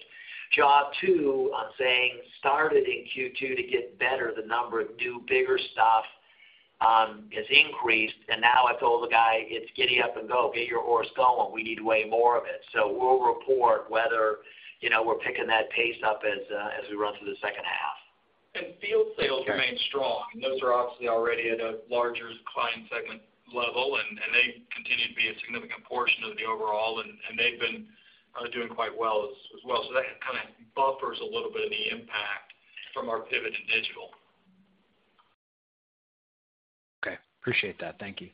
Job two, I'm saying, started in Q2 to get better. The number of new, bigger stuff has increased, now I told the guy, "It's giddy up and go. Get your horse going. We need way more of it." We'll report whether, you know, we're picking that pace up as we run through the second half. Field sales remain strong, and those are obviously already at a larger client segment level, and they continue to be a significant portion of the overall, and they've been doing quite well as, as well. That kind of buffers a little bit of the impact from our pivot to digital. Okay, appreciate that. Thank you.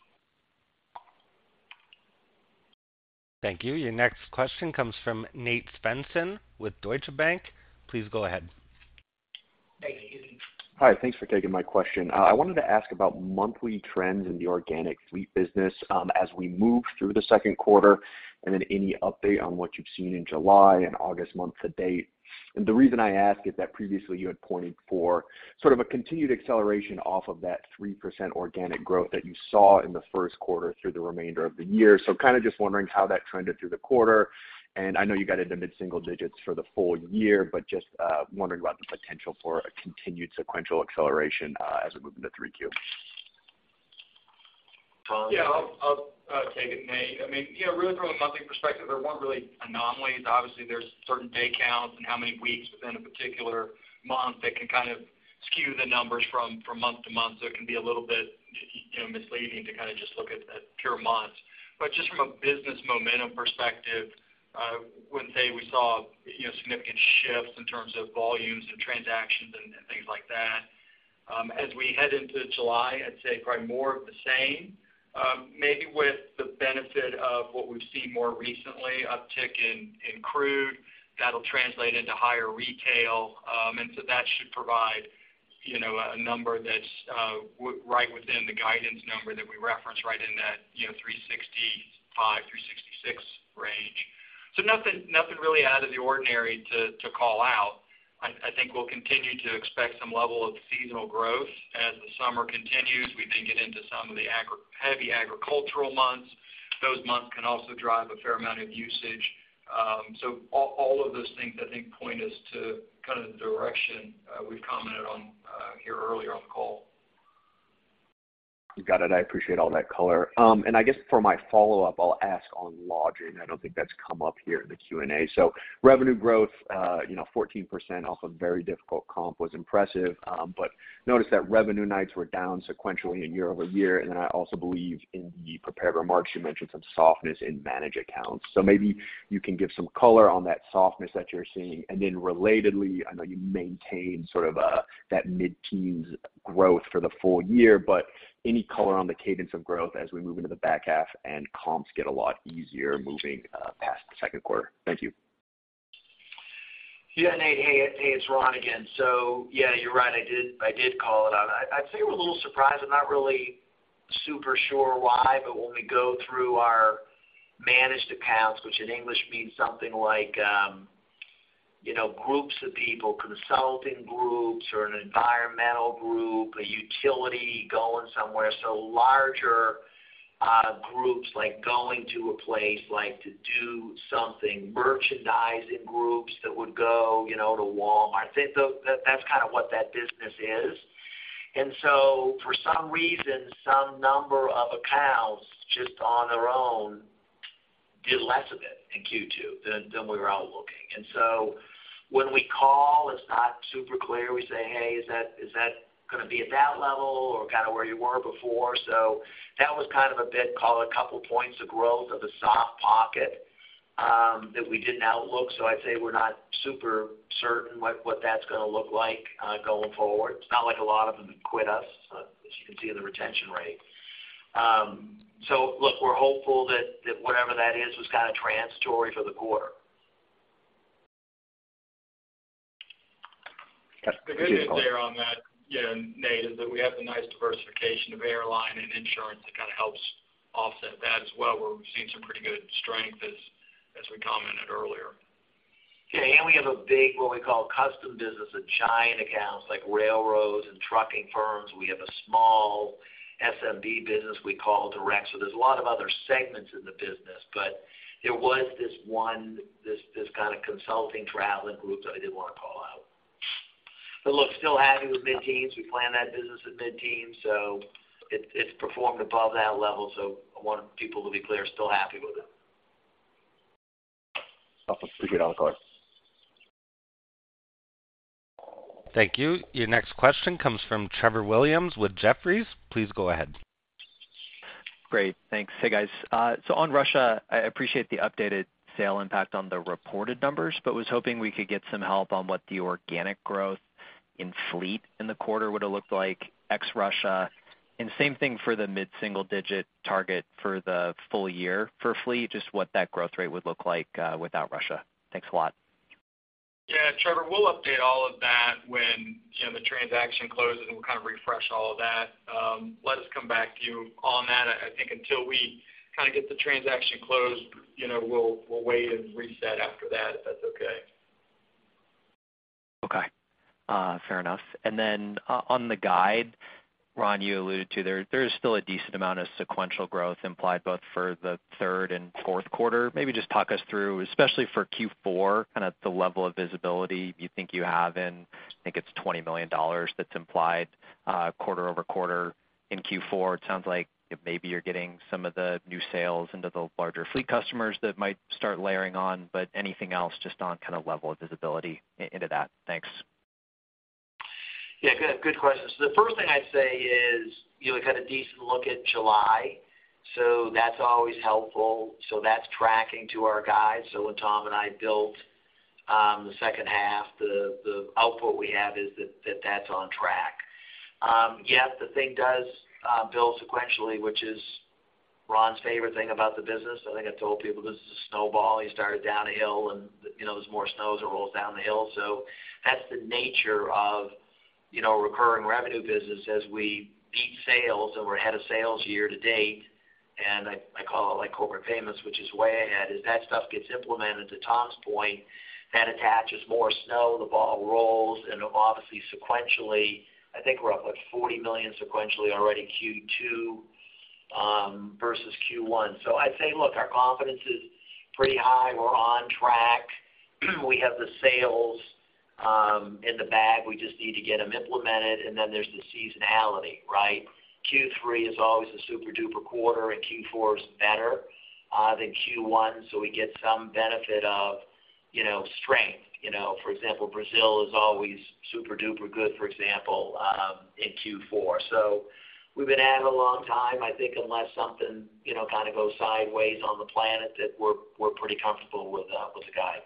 Thank you. Your next question comes from Nate Svensson with Deutsche Bank. Please go ahead. Hey, Nate. Hi, thanks for taking my question. I wanted to ask about monthly trends in the organic fleet business, as we move through the second quarter, and then any update on what you've seen in July and August month to date. The reason I ask is that previously you had pointed for sort of a continued acceleration off of that 3% organic growth that you saw in the first quarter through the remainder of the year. Kind of just wondering how that trended through the quarter. I know you got into mid-single digits for the full year, but just wondering about the potential for a continued sequential acceleration, as we move into 3Q. Tom? Yeah, I'll, I'll take it, Nate. I mean, yeah, really, from a monthly perspective, there weren't really anomalies. Obviously, there's certain day counts and how many weeks within a particular month that can kind of skew the numbers from, from month to month, so it can be a little bit, you know, misleading to kind of just look at, at pure months. Just from a business momentum perspective, wouldn't say we saw, you know, significant shifts in terms of volumes and transactions and, and things like that. As we head into July, I'd say probably more of the same, maybe with the benefit of what we've seen more recently, uptick in, in crude. That'll translate into higher retail. That should provide, you know, a number that's right within the guidance number that we reference right in that, you know, 365-366 range. Nothing, nothing really out of the ordinary to call out. I think we'll continue to expect some level of seasonal growth. As the summer continues, we then get into some of the agri-- heavy agricultural months. Those months can also drive a fair amount of usage. All, all of those things, I think, point us to kind of the direction we've commented on here earlier on the call. You got it. I appreciate all that color. I guess for my follow-up, I'll ask on lodging. I don't think that's come up here in the Q&A. Revenue growth, you know 14% off a very difficult comp was impressive, noticed that revenue nights were down sequentially and year-over-year. I also believe in the prepared remarks, you mentioned some softness in managed accounts. Maybe you can give some color on that softness that you're seeing. Relatedly, I know you maintained sort of that mid-teens growth for the full year, but any color on the cadence of growth as we move into the back half and comps get a lot easier moving past the second quarter? Thank you. Yeah, Nate Svensson. Hey, hey, it's Ron Clarke again. Yeah, you're right, I did, I did call it out. I, I'd say we're a little surprised. I'm not really super sure why, but when we go through our managed accounts, which in English means something like, you know, groups of people, consulting groups, or an environmental group, a utility going somewhere, so larger groups like going to a place, like, to do something, merchandising groups that would go, you know, to Walmart. I think that's kind of what that business is. For some reason, some number of accounts just on their own did less of it in Q2 than, than we were out looking. When we call, it's not super clear. We say, "Hey, is that, is that going to be at that level or kind of where you were before?" That was kind of a bit, call it a couple points of growth of the soft pocket, that we didn't outlook. I'd say we're not super certain what, what that's going to look like, going forward. It's not like a lot of them quit us, as you can see in the retention rate. Look, we're hopeful that, that whatever that is, was kind of transitory for the quarter. The good news there on that, yeah, Nate, is that we have the nice diversification of airline and insurance that kind of helps offset that as well, where we've seen some pretty good strength as, as we commented earlier. We have a big, what we call, custom business of giant accounts like railroads and trucking firms. We have a small SMB business we call direct. There's a lot of other segments in the business, but there was this one, this kind of consulting travel group that I did want to call out. Look, still happy with mid-teens. We plan that business at mid-teens, it's performed above that level. I want people to be clear, still happy with it. Awesome. Appreciate it, Ron, bye. Thank you. Your next question comes from Trevor Williams with Jefferies. Please go ahead. Great. Thanks. Hey, guys. On Russia, I appreciate the updated sale impact on the reported numbers, but was hoping we could get some help on what the organic growth in fleet in the quarter would have looked like, ex Russia. Same thing for the mid-single digit target for the full year for fleet, just what that growth rate would look like, without Russia. Thanks a lot. Yeah, Trevor, we'll update all of that when, you know, the transaction closes, and we'll kind of refresh all of that. Let us come back to you on that. I, I think until we kind of get the transaction closed, you know, we'll, we'll wait and reset after that, if that's okay? Okay, fair enough. Then, on the guide, Ron, you alluded to there, there is still a decent amount of sequential growth implied both for the third and fourth quarter. Maybe just talk us through, especially for Q4, kind of the level of visibility you think you have in, I think it's $20 million that's implied, quarter over quarter in Q4. It sounds like maybe you're getting some of the new sales into the larger fleet customers that might start layering on, anything else just on kind of level of visibility into that? Thanks. Yeah, good, good question. The first thing I'd say is, you know, we got a decent look in July, so that's always helpful. That's tracking to our guide. When Tom and I built the second half, the output we have is that, that that's on track. Yep, the thing does build sequentially, which is Ron's favorite thing about the business. I think I've told people this is a snowball. You start it down a hill, and, you know, there's more snow as it rolls down the hill. That's the nature of, you know, recurring revenue business as we beat sales, and we're ahead of sales year to date. I, I call it like Corpay, which is way ahead, as that stuff gets implemented, to Tom's point, that attaches more snow, the ball rolls, and obviously, sequentially, I think we're up, like, $40 million sequentially already Q2 versus Q1. I'd say, look, our confidence is pretty high. We're on track. We have the sales in the bag. We just need to get them implemented, and then there's the seasonality, right? Q3 is always a super-duper quarter, and Q4 is better than Q1, so we get some benefit of, you know, strength. You know, for example, Brazil is always super-duper good, for example, in Q4. We've been at it a long time. I think unless something, you know, kind of goes sideways on the planet, that we're, we're pretty comfortable with the guide.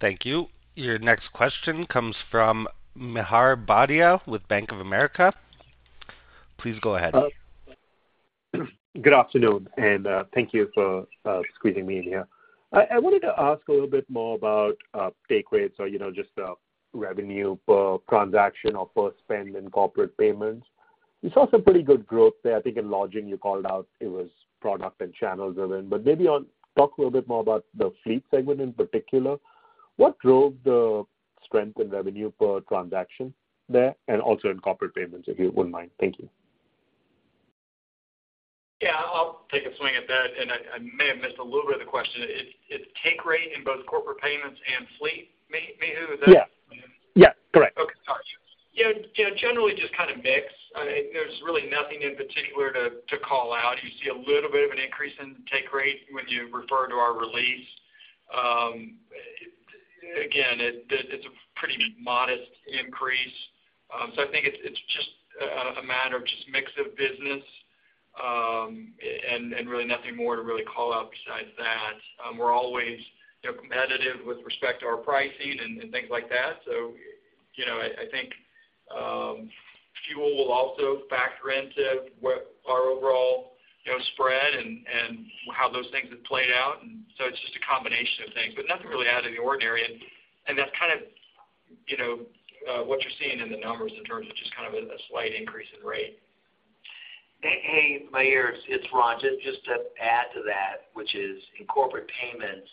Thank you. Your next question comes from Mihir Bhatia with Bank of America. Please go ahead. Good afternoon. Thank you for squeezing me in here. I, I wanted to ask a little bit more about take rates or, you know, just revenue per transaction or per spend in corporate payments. We saw some pretty good growth there. I think in lodging you called out it was product and channel driven, but maybe on... Talk a little bit more about the fleet segment in particular. What drove the strength in revenue per transaction there and also in corporate payments, if you wouldn't mind? Thank you. Yeah, I'll take a swing at that, and I, I may have missed a little bit of the question. It's, it's take rate in both corporate payments and fleet, Mihir, is that? Yeah. Yeah, correct. Okay, got you. Yeah, you know, generally just kind of mix. I mean, there's really nothing in particular to, to call out. You see a little bit of an increase in take rate when you refer to our release. Again, it's a pretty modest increase. So I think it's, it's just a matter of just mix of business, and really nothing more to really call out besides that. We're always, you know, competitive with respect to our pricing and, and things like that. So, you know, I, I think fuel will also factor into what our overall, you know, spread and, and how those things have played out. It's just a combination of things, but nothing really out of the ordinary. That's kind of, you know, what you're seeing in the numbers in terms of just kind of a, a slight increase in rate. Hey, Hey, Mihir, it's, it's Ron. Just, just to add to that, which is in corporate payments,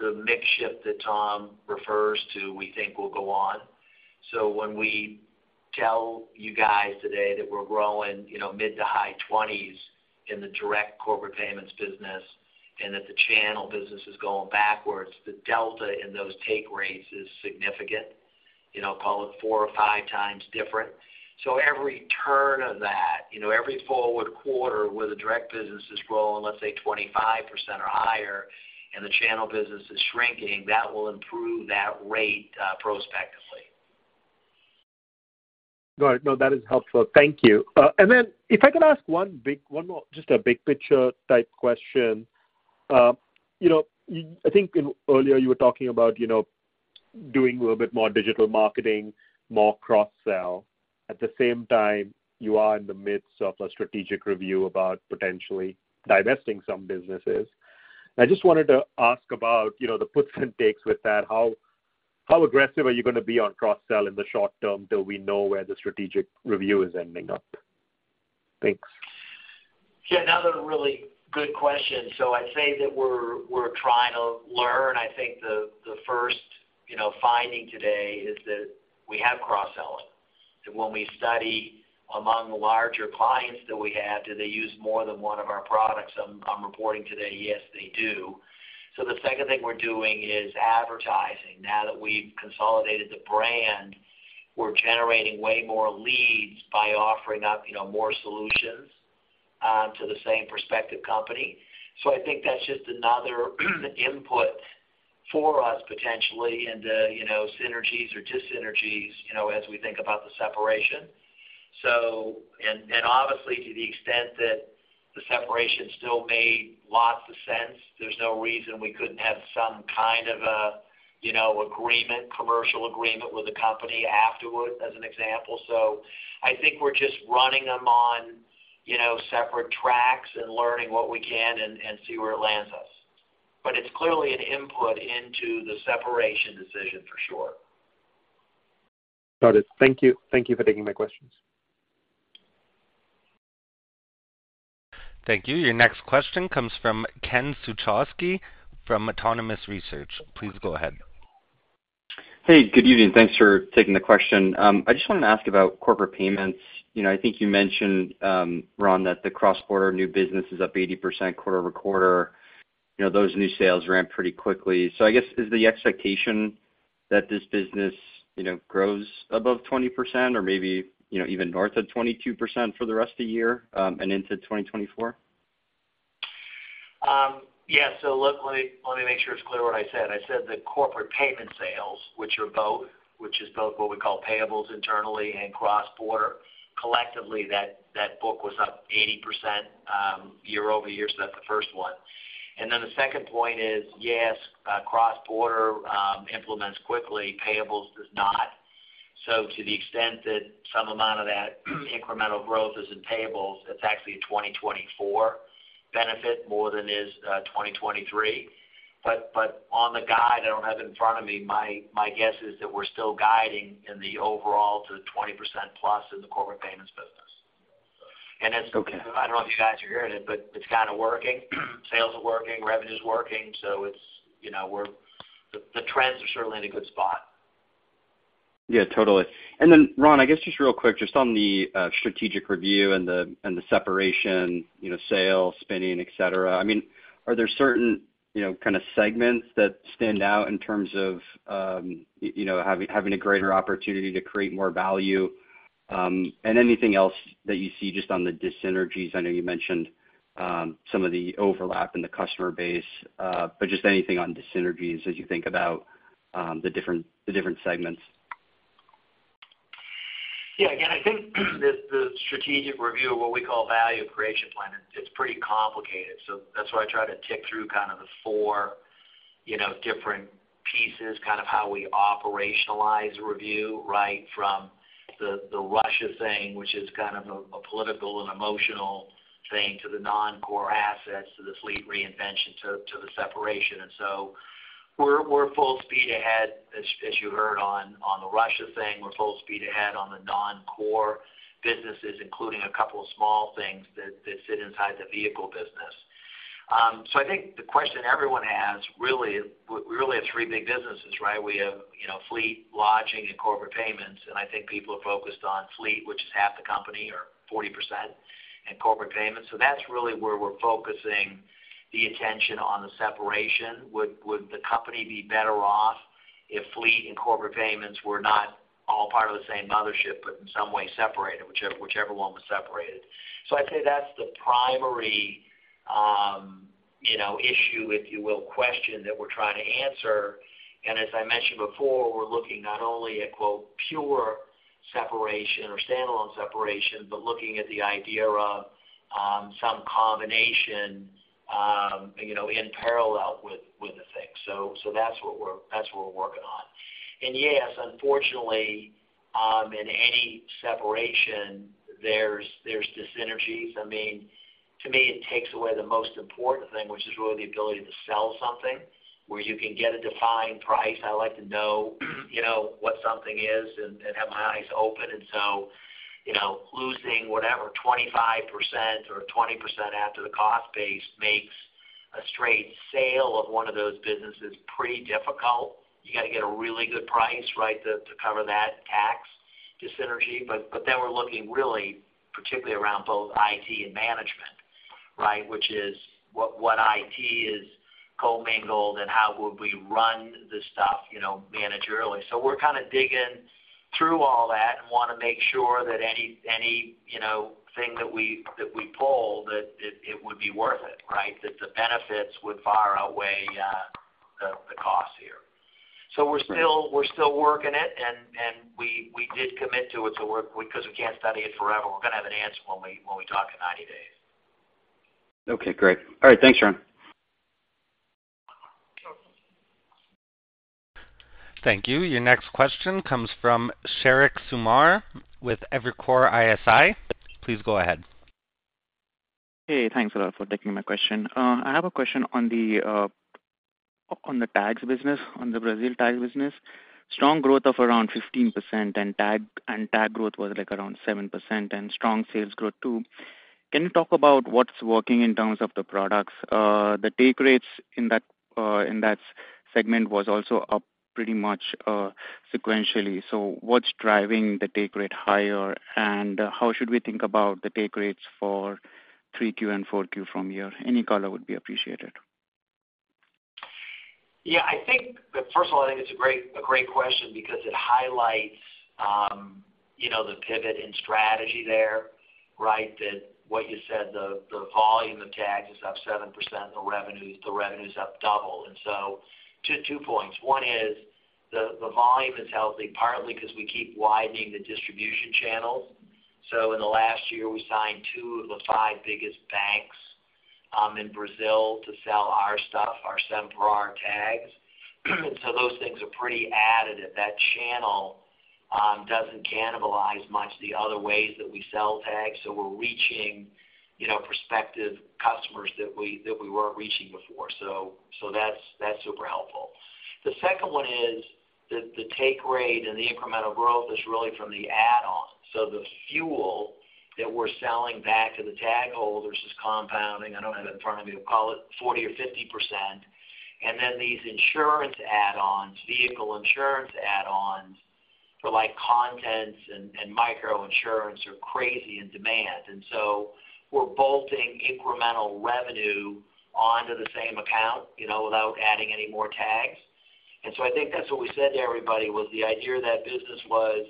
the mix shift that Tom refers to, we think, will go on. When we tell you guys today that we're growing, you know, mid to high 20s in the direct corporate payments business and that the channel business is going backwards, the delta in those take rates is significant. You know, call it 4-5 times different. Every turn of that, you know, every forward quarter where the direct business is growing, let's say 25% or higher, and the channel business is shrinking, that will improve that rate prospectively. Got it. No, that is helpful. Thank you. Then if I could ask one big-- one more, just a big picture type question. You know, I think in earlier you were talking about, you know, doing a little bit more digital marketing, more cross-sell. At the same time, you are in the midst of a strategic review about potentially divesting some businesses. I just wanted to ask about, you know, the puts and takes with that. How, how aggressive are you gonna be on cross-sell in the short term till we know where the strategic review is ending up? Thanks. Yeah, another really good question. I'd say that we're, we're trying to learn. I think the, the first, you know, finding today is that we have cross-selling, that when we study among the larger clients that we have, do they use more than one of our products? I'm reporting today, yes, they do. The second thing we're doing is advertising. Now that we've consolidated the brand, we're generating way more leads by offering up, you know, more solutions to the same prospective company. I think that's just another input for us, potentially, into, you know, synergies or dis-synergies, you know, as we think about the separation. Obviously, to the extent that the separation still made lots of sense, there's no reason we couldn't have some kind of a, you know, agreement, commercial agreement with the company afterward, as an example. I think we're just running them on, you know, separate tracks and learning what we can and, and see where it lands us. It's clearly an input into the separation decision for sure. Got it. Thank you. Thank you for taking my questions. Thank you. Your next question comes from Ken Suchoski from Autonomous Research. Please go ahead. Hey, good evening. Thanks for taking the question. I just wanted to ask about corporate payments. You know, I think you mentioned, Ron, that the cross-border new business is up 80% quarter over quarter. You know, those new sales ramp pretty quickly. I guess, is the expectation that this business, you know, grows above 20% or maybe, you know, even north of 22% for the rest of the year, and into 2024? Yeah. Look, let me, let me make sure it's clear what I said. I said that corporate payment sales, which are both-- which is both what we call payables internally and cross-border, collectively, that, that book was up 80% year-over-year. That's the first one. The second point is, yes, cross-border implements quickly, payables does not. To the extent that some amount of that incremental growth is in payables, it's actually a 2024 benefit more than it is 2023. On the guide, I don't have it in front of me, my, my guess is that we're still guiding in the overall to 20%+ in the Corporate Payments business. Okay. I don't know if you guys are hearing it, but it's kind of working. Sales are working, revenue is working, so it's, you know, the trends are certainly in a good spot. Yeah, totally. Then, Ron, I guess just real quick, just on the strategic review and the and the separation, you know, sale, spinning, et cetera. I mean, are there certain, you know, kind of segments that stand out in terms of, you know, having, having a greater opportunity to create more value? Anything else that you see just on the dis-synergies? I know you mentioned, some of the overlap in the customer base, but just anything on dis-synergies as you think about, the different, the different segments. Yeah, again, I think the, the strategic review of what we call value creation plan, it's pretty complicated. That's why I try to tick through kind of the 4, you know, different pieces, kind of how we operationalize the review, right? From the, the Russia thing, which is kind of a, a political and emotional thing, to the non-core assets, to the fleet reinvention, to, to the separation. We're, we're full speed ahead, as, as you heard, on, on the Russia thing. We're full speed ahead on the non-core businesses, including a couple of small things that, that sit inside the vehicle business. I think the question everyone has, really, we really have 3 big businesses, right? We have, you know, fleet, lodging, and corporate payments, and I think people are focused on fleet, which is half the company or 40%, and corporate payments. That's really where we're focusing the attention on the separation. Would the company be better off if fleet and corporate payments were not all part of the same mothership, but in some way separated, whichever one was separated? I'd say that's the primary, you know, issue, if you will, question that we're trying to answer. As I mentioned before, we're looking not only at, quote, "pure separation or standalone separation," but looking at the idea of, some combination, you know, in parallel with, with the thing. That's what we're working on. Yes, unfortunately, in any separation, there's dis-synergies. I mean, to me, it takes away the most important thing, which is really the ability to sell something, where you can get a defined price. I like to know, you know, what something is and, and have my eyes open. You know, losing whatever, 25% or 20% after the cost base makes a straight sale of one of those businesses pretty difficult. You got to get a really good price, right, to, to cover that tax dis-synergy. We're looking really, particularly around both IT and management, right? Which is what, what IT is co-mingled, and how would we run the stuff, you know, managerially. We're kind of digging through all that and want to make sure that any, any, you know, thing that we, that we pull, that it, it would be worth it, right? That the benefits would far outweigh the costs here. we're still, we're still working it, and, and we, we did commit to it, so we're because we can't study it forever, we're gonna have an answer when we, when we talk in 90 days. Okay, great. All right. Thanks, Ron. Thank you. Your next question comes from Sheriq Sumar, with Evercore ISI. Please go ahead. Hey, thanks a lot for taking my question. I have a question on the, on the tags business, on the Brazil tag business. Strong growth of around 15%, and tag, and tag growth was, like, around 7%, and strong sales growth, too. Can you talk about what's working in terms of the products? The take rates in that, in that segment was also up pretty much, sequentially. What's driving the take rate higher? How should we think about the take rates for 3Q and 4Q from here? Any color would be appreciated. Yeah, I think, first of all, I think it's a great, a great question because it highlights, you know, the pivot in strategy there, right? That what you said, the, the volume of tags is up 7%, the revenue, the revenue's up double. Two, 2 points. One is the, the volume is healthy, partly because we keep widening the distribution channels. In the last year, we signed 2 of the 5 biggest banks in Brazil to sell our stuff, our Sem Parar tags. Those things are pretty additive. That channel doesn't cannibalize much the other ways that we sell tags, so we're reaching, you know, prospective customers that we, that we weren't reaching before. That's, that's super helpful. The second one is the, the take rate and the incremental growth is really from the add-on. The fuel that we're selling back to the tag holders is compounding. I don't have it in front of me, we'll call it 40% or 50%. Then these insurance add-ons, vehicle insurance add-ons, for, like, contents and, and micro insurance are crazy in demand, so we're bolting incremental revenue onto the same account, you know, without adding any more tags. I think that's what we said to everybody, was the idea of that business was: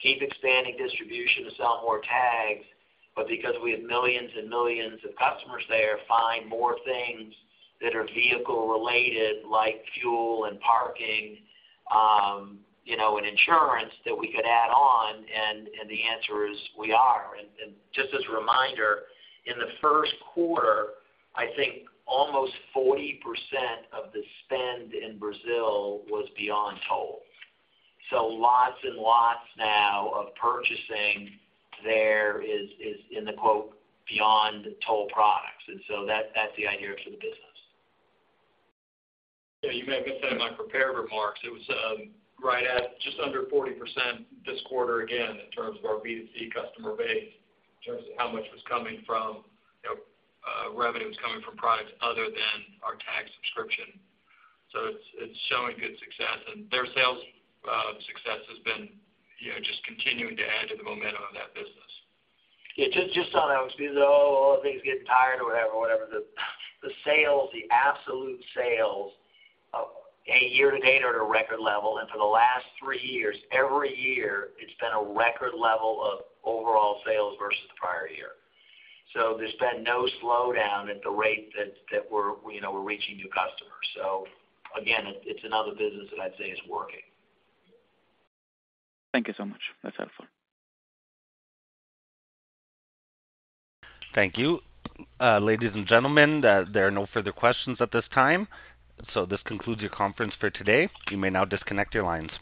keep expanding distribution to sell more tags, but because we have millions and millions of customers there, find more things that are vehicle-related, like fuel and parking, you know, and insurance, that we could add on, and, and the answer is, we are. Just as a reminder, in the 1st quarter, I think almost 40% of the spend in Brazil was beyond toll. Lots and lots now of purchasing there is, is in the, quote, "beyond toll products." That's the idea for the business. Yeah, you may have been saying in my prepared remarks, it was, right at just under 40% this quarter, again, in terms of our B2C customer base, in terms of how much was coming from, you know, revenue was coming from products other than our tag subscription. It's, it's showing good success, and their sales, success has been, you know, just continuing to add to the momentum of that business. Yeah, just, just on that, because things getting tired or whatever, whatever, the, the sales, the absolute sales of a year to date are at a record level, for the last 3 years, every year, it's been a record level of overall sales versus the prior year. There's been no slowdown at the rate that, that we're, you know, we're reaching new customers. Again, it's another business that I'd say is working. Thank you so much. That's helpful. Thank you. Ladies and gentlemen, there are no further questions at this time. This concludes your conference for today. You may now disconnect your lines.